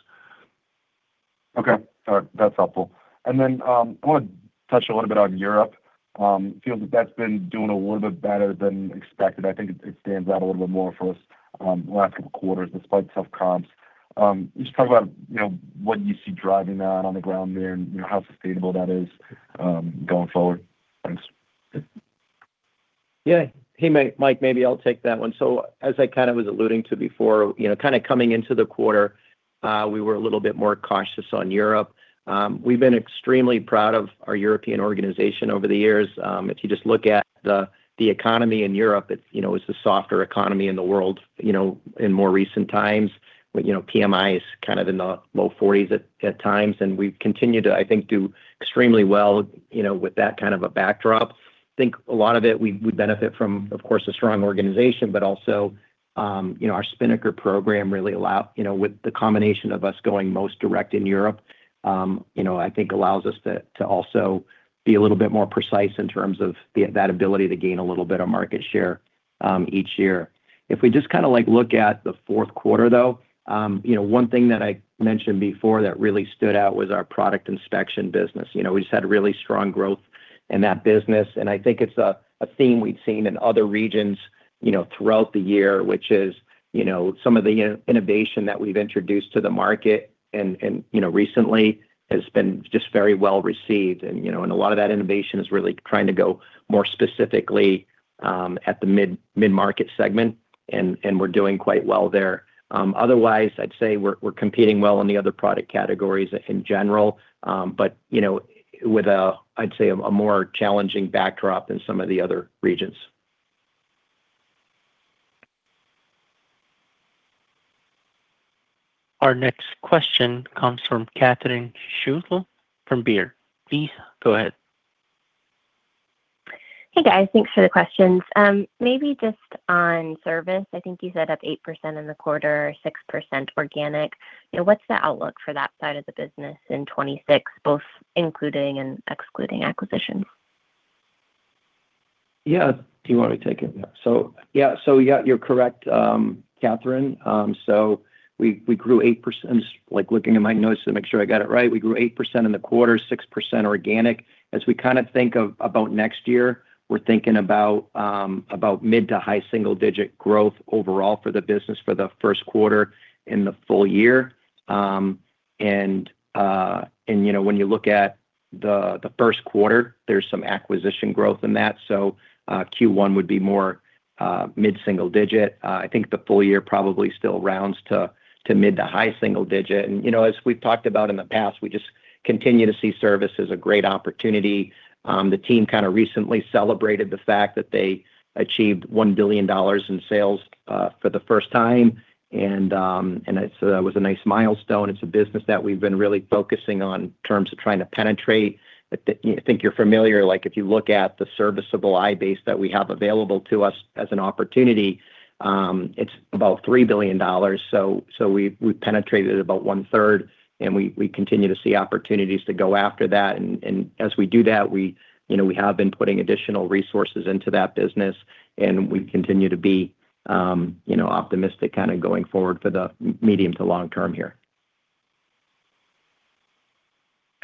Okay, all right. That's helpful. And then, I want to touch a little bit on Europe. It feels like that's been doing a little bit better than expected. I think it stands out a little bit more for us, last couple of quarters, despite tough comps. Just talk about, you know, what you see driving that on the ground there and, you know, how sustainable that is, going forward? Thanks. Yeah. Hey, Mike, maybe I'll take that one. So as I kind of was alluding to before, you know, kind of coming into the quarter, we were a little bit more cautious on Europe. We've been extremely proud of our European organization over the years. If you just look at the economy in Europe, it's, you know, it's the softer economy in the world, you know, in more recent times. But, you know, PMI is kind of in the low forties at times, and we've continued to, I think, do extremely well, you know, with that kind of a backdrop. I think a lot of it, we benefit from, of course, a strong organization, but also, you know, our Spinnaker program really allows you know, with the combination of us going most direct in Europe, you know, I think allows us to, to also be a little bit more precise in terms of the, that ability to gain a little bit of market share, each year. If we just kinda, like, look at the fourth quarter, though, you know, one thing that I mentioned before that really stood out was our Product Inspection business. You know, we just had really strong growth in that business, and I think it's a theme we've seen in other regions, you know, throughout the year, which is, you know, some of the innovation that we've introduced to the market and, you know, recently has been just very well received. And, you know, a lot of that innovation is really trying to go more specifically at the mid-market segment, and we're doing quite well there. Otherwise, I'd say we're competing well in the other product categories in general, but, you know, with a, I'd say, a more challenging backdrop than some of the other regions. Our next question comes from Catherine Schulte from Baird. Please go ahead. Hey, guys. Thanks for the questions. Maybe just on service, I think you said up 8% in the quarter or 6% organic. You know, what's the outlook for that side of the business in 2026, both including and excluding acquisitions? Yeah. Do you want me to take it? Yeah. So, yeah, so yeah, you're correct, Catherine. So we grew 8%... Just, like, looking at my notes to make sure I got it right. We grew 8% in the quarter, 6% organic. As we kind of think of about next year, we're thinking about, about mid- to high-single-digit growth overall for the business for the first quarter in the full-year. And, and, you know, when you look at the first quarter, there's some acquisition growth in that. So, Q1 would be more, mid-single-digit. I think the full-year probably still rounds to, mid- to high-single-digit. And, you know, as we've talked about in the past, we just continue to see service as a great opportunity. The team kind of recently celebrated the fact that they achieved $1 billion in sales for the first time. And so that was a nice milestone. It's a business that we've been really focusing on in terms of trying to penetrate. But I think you're familiar, like, if you look at the serviceable addressable base that we have available to us as an opportunity, it's about $3 billion. So we've penetrated about one-third, and we continue to see opportunities to go after that. And as we do that, you know, we have been putting additional resources into that business, and we continue to be, you know, optimistic kind of going forward for the medium to long term here.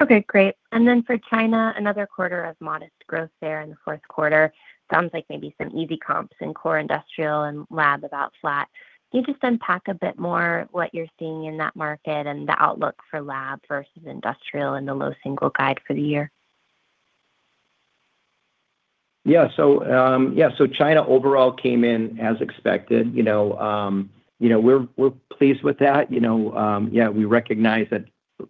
Okay, great. And then for China, another quarter of modest growth there in the fourth quarter. Sounds like maybe some easy comps in core industrial and lab about flat. Can you just unpack a bit more what you're seeing in that market and the outlook for lab versus industrial and the low single guide for the year? Yeah. So, yeah, so China overall came in as expected. You know, you know, we're, we're pleased with that. You know, yeah, we recognize that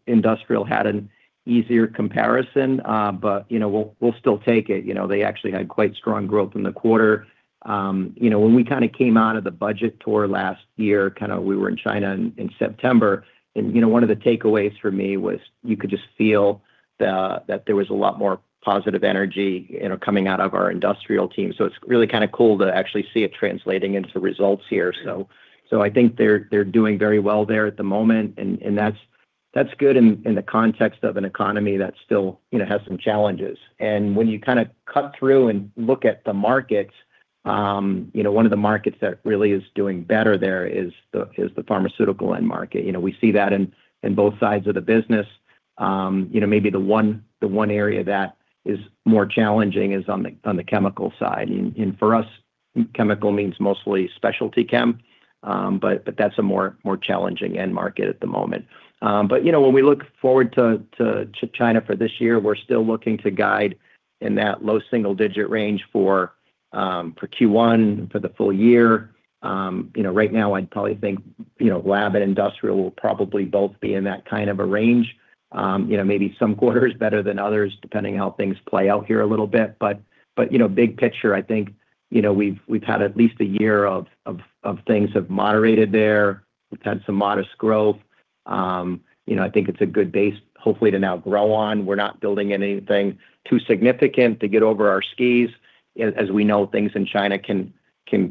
industrial had an easier comparison, but, you know, we'll, we'll still take it. You know, they actually had quite strong growth in the quarter. You know, when we kind of came out of the budget tour last year, kind of we were in China in September, and, you know, one of the takeaways for me was you could just feel that there was a lot more positive energy, you know, coming out of our industrial team. So it's really kind of cool to actually see it translating into the results here. So I think they're doing very well there at the moment, and that's good in the context of an economy that still, you know, has some challenges. And when you kind of cut through and look at the markets, you know, one of the markets that really is doing better there is the pharmaceutical end market. You know, we see that in both sides of the business. You know, maybe the one area that is more challenging is on the chemical side. And for us, chemical means mostly specialty chem, but that's a more challenging end market at the moment. But you know, when we look forward to China for this year, we're still looking to guide-... in that low single digit range for Q1, for the full-year. You know, right now, I'd probably think, you know, lab and industrial will probably both be in that kind of a range. You know, maybe some quarters better than others, depending how things play out here a little bit. But you know, big picture, I think, you know, we've had at least a year of things have moderated there. We've had some modest growth. You know, I think it's a good base, hopefully, to now grow on. We're not building anything too significant to get over our skis. As we know, things in China can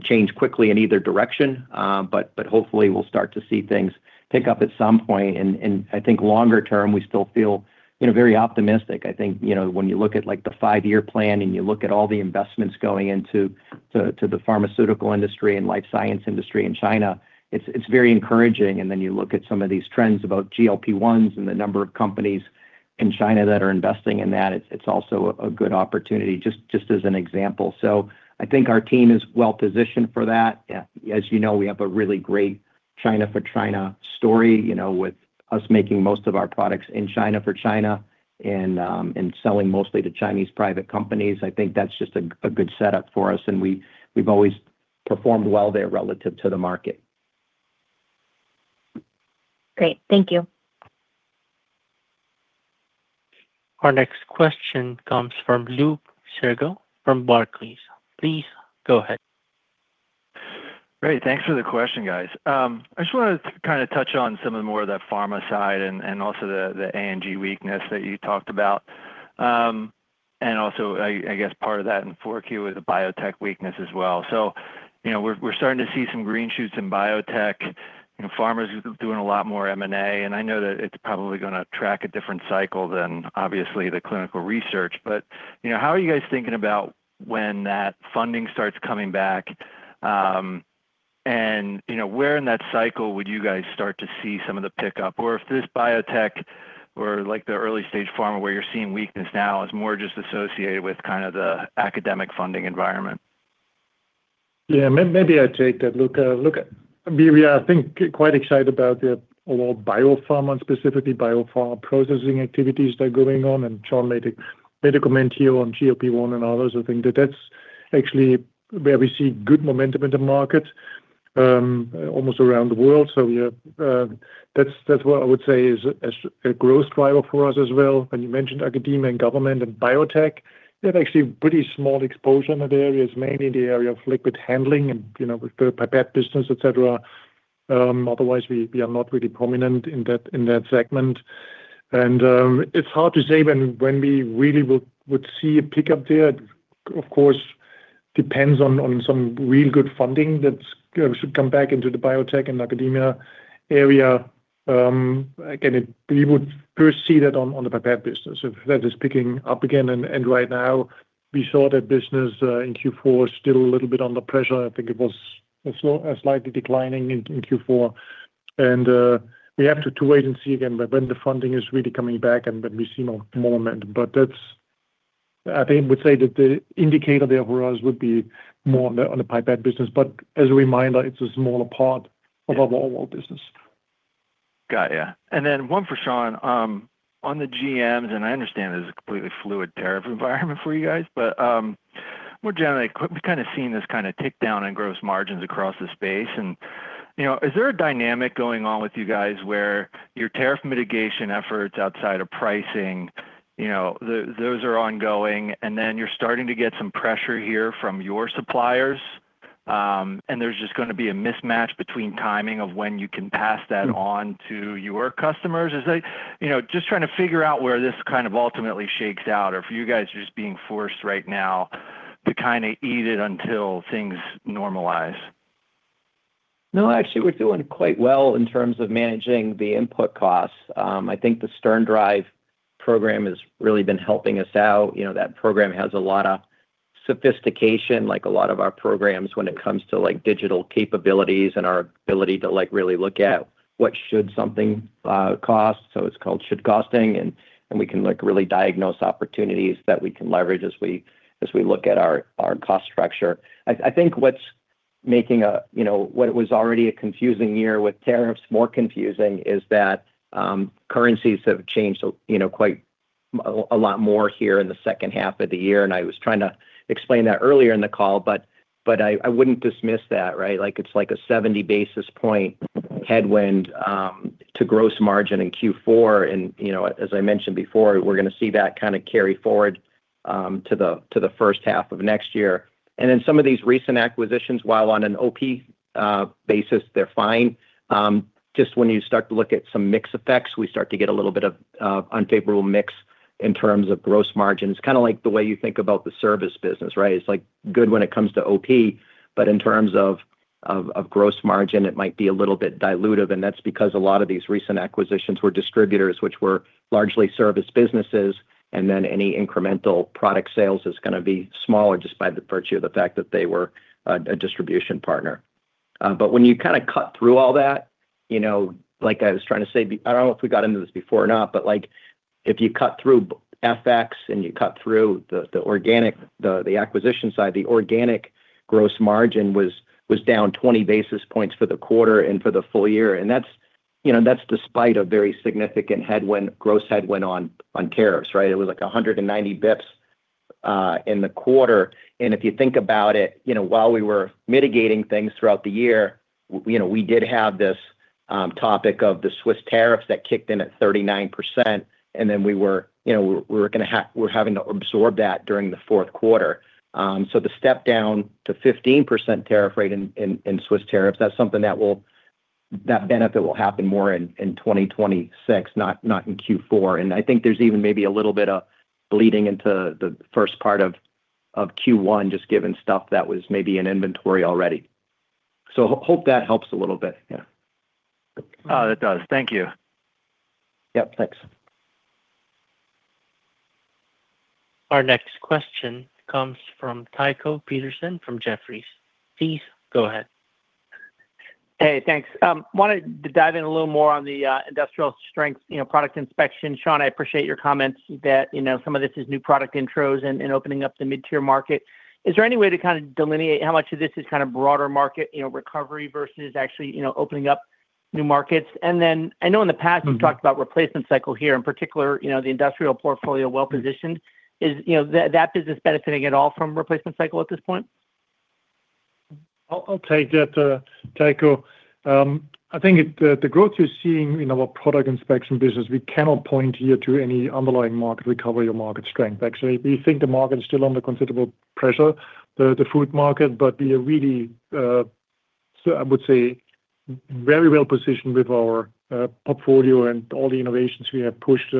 change quickly in either direction, but hopefully we'll start to see things pick up at some point. I think longer term, we still feel, you know, very optimistic. I think, you know, when you look at, like, the five-year plan, and you look at all the investments going into the pharmaceutical industry and life science industry in China, it's very encouraging. And then you look at some of these trends about GLP-1s and the number of companies in China that are investing in that, it's also a good opportunity, just as an example. So I think our team is well-positioned for that. Yeah, as you know, we have a really great China-for-China story, you know, with us making most of our products in China for China and and selling mostly to Chinese private companies. I think that's just a good setup for us, and we've always performed well there relative to the market. Great. Thank you. Our next question comes from Luke Sergott from Barclays. Please go ahead. Great. Thanks for the question, guys. I just wanna kinda touch on some of the more of the pharma side and, and also the, the A&G weakness that you talked about. And also, I guess part of that in 4Q is the biotech weakness as well. So, you know, we're, we're starting to see some green shoots in biotech, and pharma's doing a lot more M&A, and I know that it's probably gonna track a different cycle than, obviously, the clinical research. But, you know, how are you guys thinking about when that funding starts coming back? And, you know, where in that cycle would you guys start to see some of the pickup? Or if this biotech or, like, the early stage pharma, where you're seeing weakness now, is more just associated with kind of the academic funding environment. Yeah, maybe I'll take that, Luke. Luke, we are, I think, quite excited about the overall biopharma, specifically biopharma processing activities that are going on, and Shawn made a comment here on GLP-1 and others. I think that's actually where we see good momentum in the market, almost around the world. So, yeah, that's what I would say is a growth driver for us as well. When you mentioned academia and government and biotech, they have actually pretty small exposure in the areas, mainly in the area of liquid handling and, you know, with the pipette business, et cetera. Otherwise, we are not really prominent in that segment. It's hard to say when we really would see a pickup there. Of course, depends on some real good funding that's should come back into the biotech and academia area. Again, we would first see that on the pipette business if that is picking up again. And right now, we saw that business in Q4 still a little bit under pressure. I think it was slightly declining in Q4. And we have to wait and see again, when the funding is really coming back and when we see more momentum. But that's... I think, I would say that the indicator there for us would be more on the pipette business. But as a reminder, it's a smaller part- Yeah... of our overall business. Got you. And then one for Shawn. On the GMs, and I understand this is a completely fluid tariff environment for you guys, but more generally, we've kinda seen this kinda tick down in gross margins across the space. And, you know, is there a dynamic going on with you guys where your tariff mitigation efforts outside of pricing, you know, those are ongoing, and then you're starting to get some pressure here from your suppliers, and there's just gonna be a mismatch between timing of when you can pass that on to your customers? Is, like, you know, just trying to figure out where this kind of ultimately shakes out, or if you guys are just being forced right now to kinda eat it until things normalize. No, actually, we're doing quite well in terms of managing the input costs. I think the SternDrive program has really been helping us out. You know, that program has a lot of sophistication, like a lot of our programs, when it comes to, like, digital capabilities and our ability to, like, really look at what should something cost. So it's called should costing, and, and we can, like, really diagnose opportunities that we can leverage as we, as we look at our, our cost structure. I think what's making, you know, what it was already a confusing year with tariffs more confusing is that currencies have changed, you know, quite a lot more here in the second half of the year, and I was trying to explain that earlier in the call. But I wouldn't dismiss that, right? Like, it's like a 70 basis point headwind to gross margin in Q4. And, you know, as I mentioned before, we're gonna see that kinda carry forward to the first half of next year. And then, some of these recent acquisitions, while on an OP basis, they're fine, just when you start to look at some mix effects, we start to get a little bit of unfavorable mix in terms of gross margins. Kinda like the way you think about the service business, right? It's like good when it comes to OP, but in terms of of gross margin, it might be a little bit dilutive, and that's because a lot of these recent acquisitions were distributors, which were largely service businesses, and then any incremental product sales is gonna be smaller, just by the virtue of the fact that they were a distribution partner. But when you kinda cut through all that, you know, like I was trying to say, I don't know if we got into this before or not, but like if you cut through FX, and you cut through the organic, the acquisition side, the organic gross margin was down 20 basis points for the quarter and for the full-year. And that's you know that's despite a very significant headwind, gross headwind on tariffs, right? It was like 190 bps in the quarter. And if you think about it, you know, while we were mitigating things throughout the year, you know, we did have this topic of the Swiss tariffs that kicked in at 39%, and then we were, you know, we're gonna have we're having to absorb that during the fourth quarter. So the step down to 15% tariff rate in List tariffs, that's something that will that benefit will happen more in 2026, not in Q4. And I think there's even maybe a little bit of bleeding into the first part of Q1, just given stuff that was maybe in inventory already. So hope that helps a little bit. Yeah. It does. Thank you. Yep, thanks. Our next question comes from Tycho Peterson from Jefferies. Please, go ahead. Hey, thanks. Wanted to dive in a little more on the industrial strength, you know, product inspection. Shawn, I appreciate your comments that, you know, some of this is new product intros and opening up the mid-tier market. Is there any way to kind of delineate how much of this is kind of broader market, you know, recovery versus actually, you know, opening up new markets? And then I know in the past- Mm-hmm... you've talked about replacement cycle here, in particular, you know, the industrial portfolio well-positioned. Is, you know, that business benefiting at all from replacement cycle at this point? I'll take that, Tycho. I think the growth you're seeing in our product inspection business, we cannot point you to any underlying market recovery or market strength. Actually, we think the market is still under considerable pressure, the food market, but we are really so I would say very well positioned with our portfolio and all the innovations we have pushed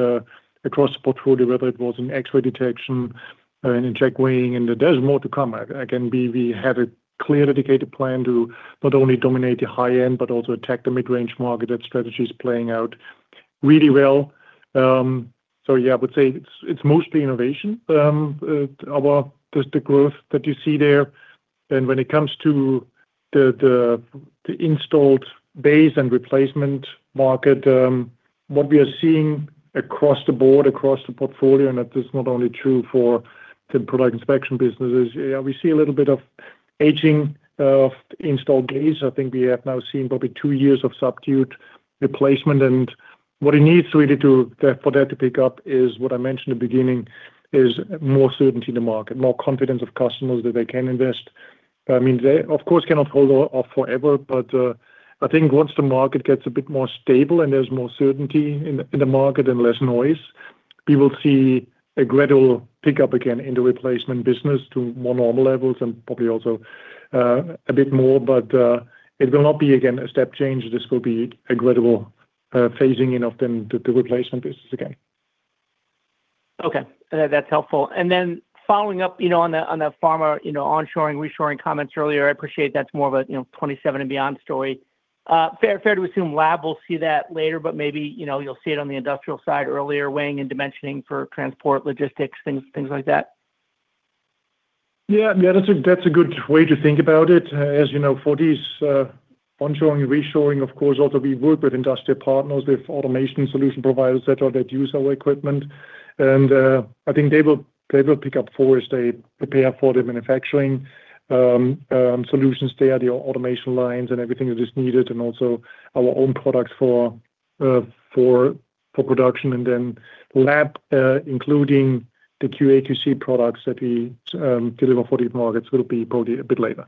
across the portfolio, whether it was in X-ray detection or in checkweighing, and there's more to come. Again, we have a clear dedicated plan to not only dominate the high end, but also attack the mid-range market. That strategy is playing out really well. So yeah, I would say it's mostly innovation about just the growth that you see there. And when it comes to the installed base and replacement market, what we are seeing across the board, across the portfolio, and that is not only true for the product inspection business, is we see a little bit of aging of installed base. I think we have now seen probably two years of subdued replacement. And what it needs really to for that to pick up is what I mentioned in the beginning is more certainty in the market, more confidence of customers that they can invest. I mean, they, of course, cannot hold off forever, but I think once the market gets a bit more stable and there's more certainty in the market and less noise, we will see a gradual pickup again in the replacement business to more normal levels and probably also a bit more, but it will not be, again, a step change. This will be a gradual phasing in of the replacement business again. Okay. That's helpful. And then following up, you know, on the pharma, you know, onshoring, reshoring comments earlier, I appreciate that's more of a, you know, 27 and beyond story. Fair to assume lab will see that later, but maybe, you know, you'll see it on the industrial side earlier, weighing and dimensioning for transport, logistics, things like that. Yeah, yeah, that's a, that's a good way to think about it. As you know, for these, onshoring, reshoring, of course, also we work with industrial partners, with automation solution providers that use our equipment. And, I think they will, they will pick up for as they prepare for the manufacturing, solutions. They are the automation lines and everything that is needed, and also our own products for production. And then lab, including the QA, QC products that we deliver for these markets, will be probably a bit later.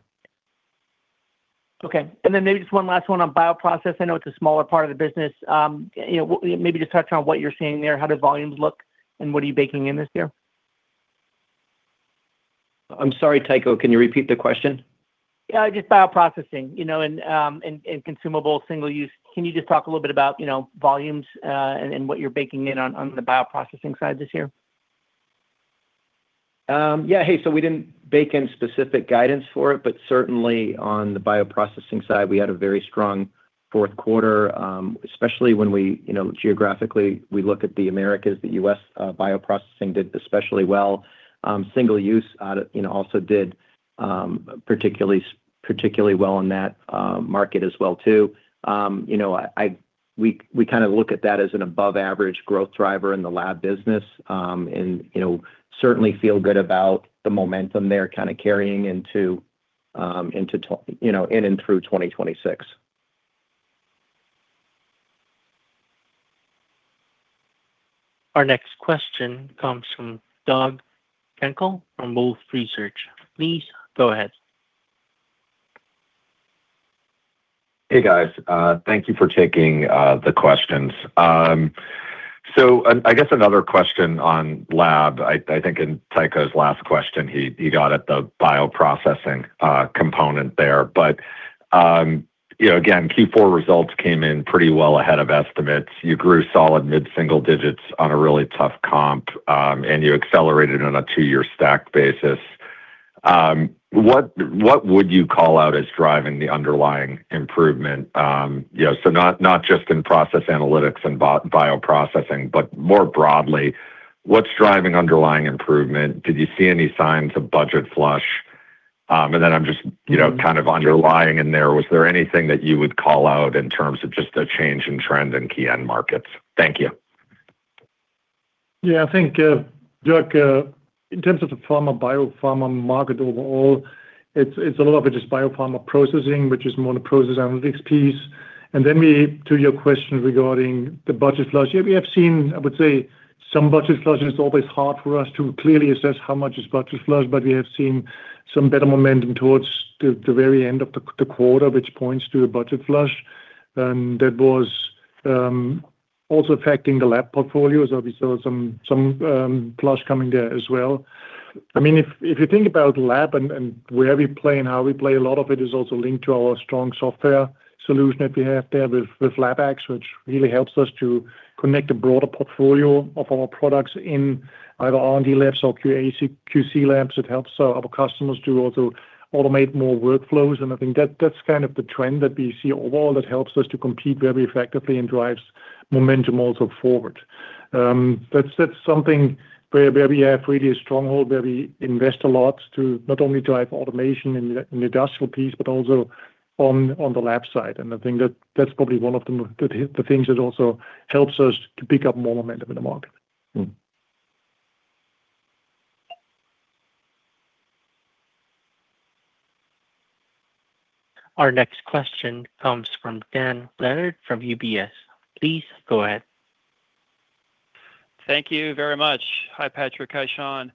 Okay. And then maybe just one last one on bioprocess. I know it's a smaller part of the business. You know, maybe just touch on what you're seeing there. How does volumes look, and what are you baking in this year? I'm sorry, Tycho, can you repeat the question? Yeah, just bioprocessing, you know, and single-use consumables. Can you just talk a little bit about, you know, volumes and what you're baking in on the bioprocessing side this year? Yeah. Hey, so we didn't bake in specific guidance for it, but certainly on the bioprocessing side, we had a very strong fourth quarter, especially when we, you know, geographically, we look at the Americas, the US, bioprocessing did especially well. Single-use, you know, also did, particularly, particularly well in that, market as well too. You know, we, we kind of look at that as an above average growth driver in the lab business, and, you know, certainly feel good about the momentum there kind of carrying into, you know, in and through 2026. Our next question comes from Doug Schenkel from Wolfe Research. Please, go ahead. Hey, guys. Thank you for taking the questions. I guess another question on lab. I think in Tycho's last question, he got at the bioprocessing component there. But, you know, again, Q4 results came in pretty well ahead of estimates. You grew solid mid-single digits on a really tough comp, and you accelerated on a two-year stack basis. What would you call out as driving the underlying improvement? You know, so not just in process analytics and bioprocessing, but more broadly, what's driving underlying improvement? Did you see any signs of budget flush? And then I'm just, you know, kind of underlying in there, was there anything that you would call out in terms of just a change in trend in key end markets? Thank you. .Yeah, I think, Doug, in terms of the pharma, biopharma market overall, it's a lot of it just biopharma processing, which is more the process analytics piece. And then we, to your question regarding the budget flush, yeah, we have seen, I would say, some budget flush, and it's always hard for us to clearly assess how much is budget flush. But we have seen some better momentum towards the very end of the quarter, which points to a budget flush that was also affecting the lab portfolio. So we saw some flush coming there as well. I mean, if you think about lab and where we play and how we play, a lot of it is also linked to our strong software solution that we have there with LabX, which really helps us to connect a broader portfolio of our products in either R&D labs or QA, QC labs. It helps our customers to also automate more workflows, and I think that's kind of the trend that we see overall that helps us to compete very effectively and drives momentum also forward. That's something where we have really a stronghold, where we invest a lot to not only drive automation in the industrial piece, but also on the lab side. And I think that's probably one of the things that also helps us to pick up more momentum in the market. Our next question comes from Dan Leonard from UBS. Please go ahead. Thank you very much. Hi, Patrick. Hi, Shawn.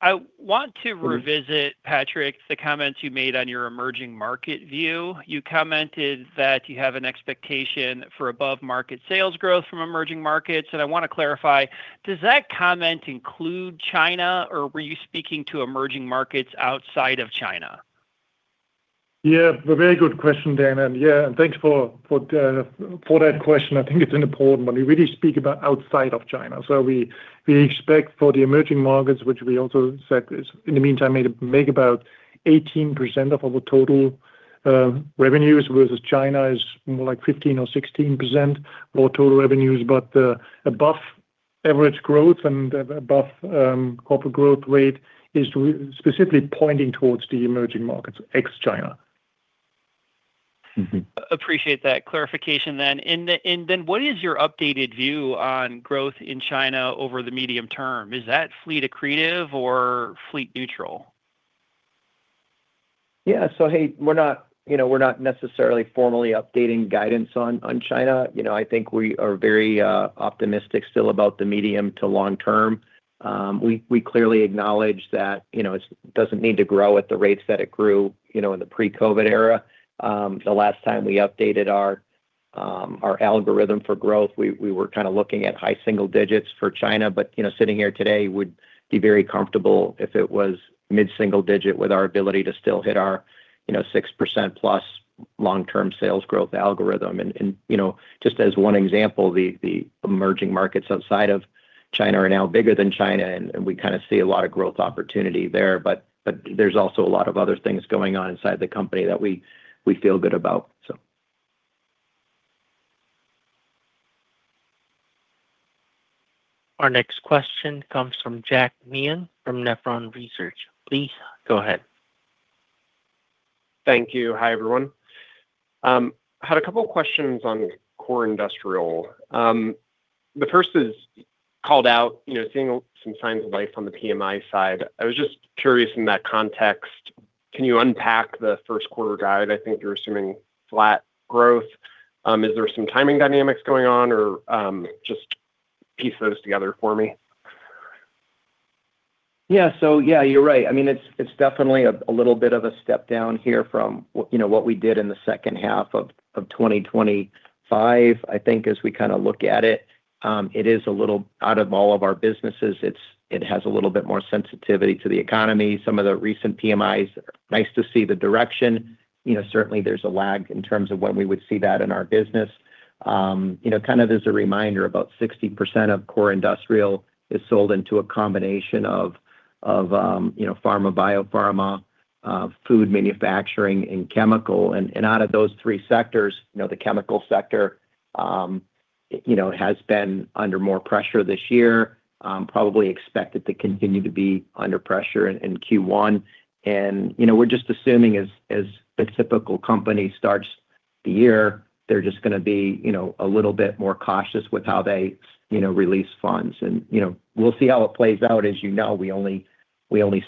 I want to- Mm-hmm Revisit, Patrick, the comments you made on your emerging market view. You commented that you have an expectation for above-market sales growth from emerging markets, and I want to clarify: does that comment include China, or were you speaking to emerging markets outside of China? Yeah, a very good question, Dan, and yeah, thanks for that question. I think it's an important one. We really speak about outside of China. So we expect for the emerging markets, which we also said is in the meantime make about 18% of our total revenues, versus China is more like 15% or 16% of our total revenues. But above-average growth and above corporate growth rate is specifically pointing towards the emerging markets, ex-China. Mm-hmm. Appreciate that clarification then. And then what is your updated view on growth in China over the medium term? Is that fleet accretive or fleet neutral? Yeah. So, hey, we're not, you know, we're not necessarily formally updating guidance on, on China. You know, I think we are very optimistic still about the medium to long term. We clearly acknowledge that, you know, it doesn't need to grow at the rates that it grew, you know, in the pre-COVID era. The last time we updated our, our algorithm for growth, we were kind of looking at high single digits for China. But, you know, sitting here today, we'd be very comfortable if it was mid-single digit with our ability to still hit our, you know, 6%+ long-term sales growth algorithm. And, you know, just as one example, the emerging markets outside of China are now bigger than China, and we kind of see a lot of growth opportunity there. But there's also a lot of other things going on inside the company that we feel good about, so. Our next question comes from Jack Meehan from Nephron Research. Please go ahead. Thank you. Hi, everyone. Had a couple questions on core industrial. The first is called out, you know, seeing some signs of life on the PMI side. I was just curious in that context, can you unpack the first quarter guide? I think you're assuming flat growth. Is there some timing dynamics going on? Or, just piece those together for me. Yeah. So yeah, you're right. I mean, it's definitely a little bit of a step down here from what you know what we did in the second half of 2025. I think as we kind of look at it, it is a little out of all of our businesses, it has a little bit more sensitivity to the economy. Some of the recent PMIs, nice to see the direction. You know, certainly there's a lag in terms of when we would see that in our business. You know, kind of as a reminder, about 60% of core industrial is sold into a combination of pharma, biopharma, food manufacturing, and chemical. And out of those three sectors, you know, the chemical sector has been under more pressure this year. Probably expected to continue to be under pressure in Q1. And, you know, we're just assuming as the typical company starts the year, they're just gonna be, you know, a little bit more cautious with how they, you know, release funds. And, you know, we'll see how it plays out. As you know, we only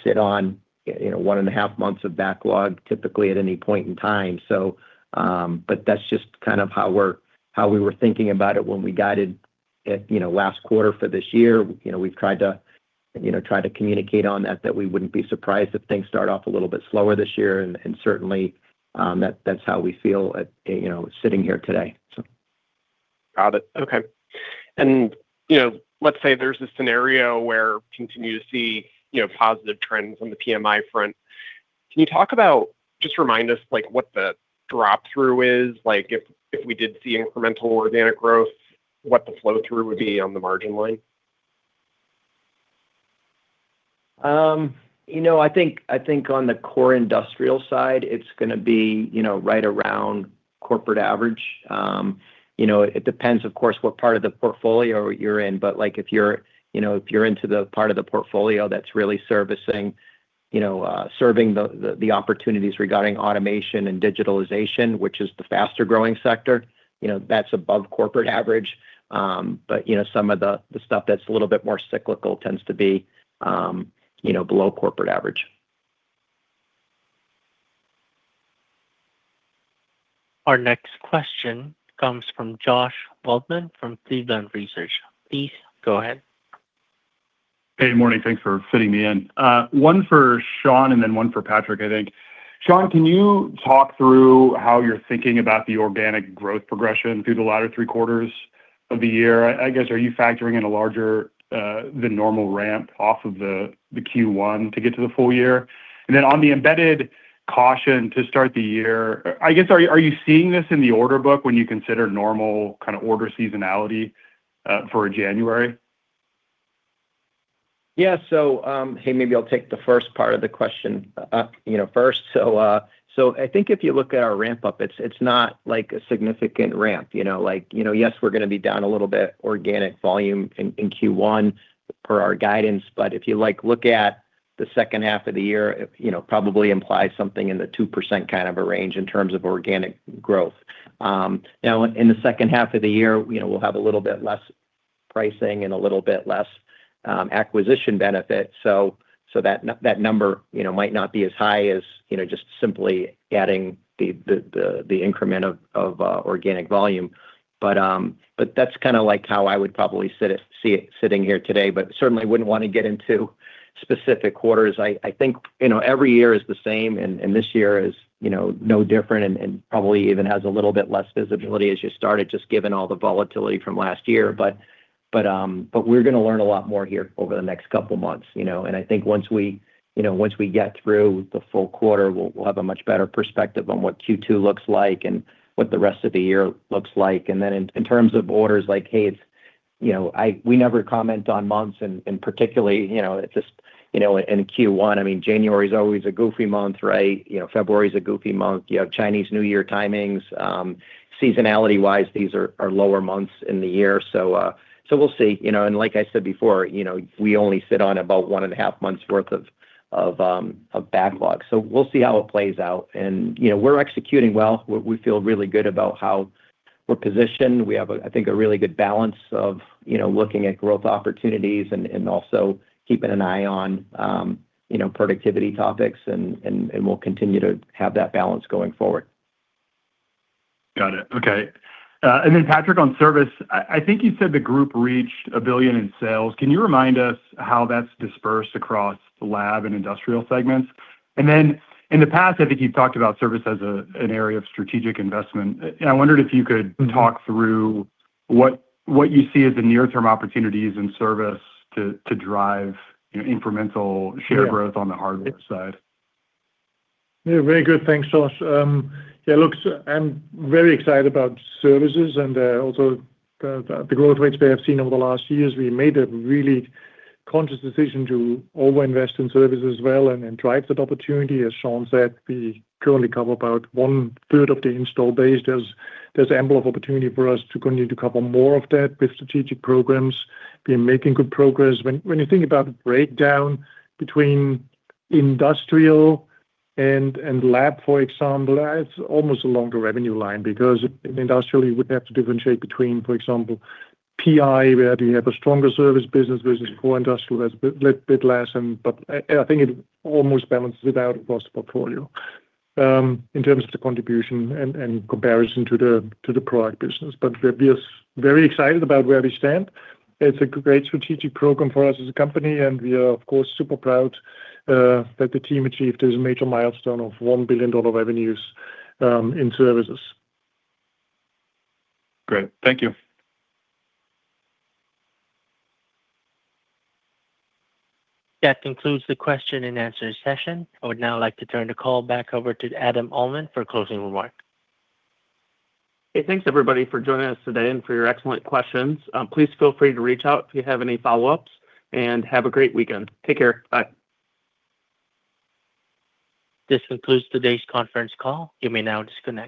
sit on, you know, 1.5 months of backlog, typically, at any point in time. So, but that's just kind of how we were thinking about it when we guided it, you know, last quarter for this year. You know, we've tried to, you know, try to communicate on that, that we wouldn't be surprised if things start off a little bit slower this year, and, and certainly, that, that's how we feel, you know, sitting here today, so. Got it. Okay. And, you know, let's say there's a scenario where we continue to see, you know, positive trends on the PMI front. Can you talk about... Just remind us, like, what the drop-through is? Like, if we did see incremental organic growth, what the flow-through would be on the margin line. You know, I think, I think on the core industrial side, it's gonna be, you know, right around corporate average. You know, it depends, of course, what part of the portfolio you're in. But, like, if you're, you know, if you're into the part of the portfolio that's really servicing, you know, serving the opportunities regarding automation and digitalization, which is the faster-growing sector. You know, that's above corporate average. But, you know, some of the stuff that's a little bit more cyclical tends to be, you know, below corporate average. Our next question comes from Josh Waldman from Cleveland Research. Please go ahead. Hey, good morning. Thanks for fitting me in. One for Shawn and then one for Patrick, I think. Shawn, can you talk through how you're thinking about the organic growth progression through the latter three quarters of the year? I guess, are you factoring in a larger than normal ramp off of the Q1 to get to the full-year? And then on the embedded caution to start the year, I guess, are you seeing this in the order book when you consider normal kind of order seasonality for January? Yeah. So, hey, maybe I'll take the first part of the question, you know, first. So, I think if you look at our ramp up, it's not like a significant ramp, you know? Like, you know, yes, we're gonna be down a little bit organic volume in Q1 per our guidance, but if you, like, look at the second half of the year, it, you know, probably implies something in the 2% kind of a range in terms of organic growth. Now, in the second half of the year, you know, we'll have a little bit less pricing and a little bit less acquisition benefit, so that number, you know, might not be as high as, you know, just simply adding the increment of organic volume. But, but that's kind of, like, how I would probably see it sitting here today, but certainly wouldn't want to get into specific quarters. I think, you know, every year is the same, and this year is, you know, no different and probably even has a little bit less visibility as you started, just given all the volatility from last year. But we're gonna learn a lot more here over the next couple months, you know? And I think once we, you know, get through the full-quarter, we'll have a much better perspective on what Q2 looks like and what the rest of the year looks like. And then in terms of orders, like, hey, you know, we never comment on months and particularly, you know, just, you know, in Q1, I mean, January is always a goofy month, right? You know, February is a goofy month. You have Chinese New Year timings. Seasonality-wise, these are lower months in the year. So we'll see. You know, and like I said before, you know, we only sit on about 1.5 months worth of backlog. So we'll see how it plays out. And, you know, we're executing well. We feel really good about how we're positioned. We have, I think, a really good balance of, you know, looking at growth opportunities and also keeping an eye on, you know, productivity topics, and we'll continue to have that balance going forward. Got it. Okay. And then Patrick, on service, I think you said the group reached $1 billion in sales. Can you remind us how that's dispersed across the lab and industrial segments? And then, in the past, I think you've talked about service as an area of strategic investment. And I wondered if you could- Mm-hmm... talk through what you see as the near-term opportunities in service to drive, you know, incremental- Yeah -share growth on the hardware side. Yeah, very good. Thanks, Josh. Yeah, look, I'm very excited about services and also the growth rates we have seen over the last years. We made a really conscious decision to over-invest in services as well and drive that opportunity. As Shawn said, we currently cover about one third of the installed base. There's ample opportunity for us to continue to cover more of that with strategic programs. We've been making good progress. When you think about the breakdown between industrial and lab, for example, it's almost along the revenue line, because in industrial, you would have to differentiate between, for example, PI, where we have a stronger service business versus pure industrial, that's a little bit less. But I think it almost balances out across the portfolio, in terms of the contribution and comparison to the product business. But we're very excited about where we stand. It's a great strategic program for us as a company, and we are, of course, super proud that the team achieved this major milestone of $1 billion revenues in services. Great. Thank you. That concludes the question and answer session. I would now like to turn the call back over to Adam Uhlman for closing remarks. Hey, thanks everybody, for joining us today and for your excellent questions. Please feel free to reach out if you have any follow-ups, and have a great weekend. Take care. Bye. This concludes today's conference call. You may now disconnect.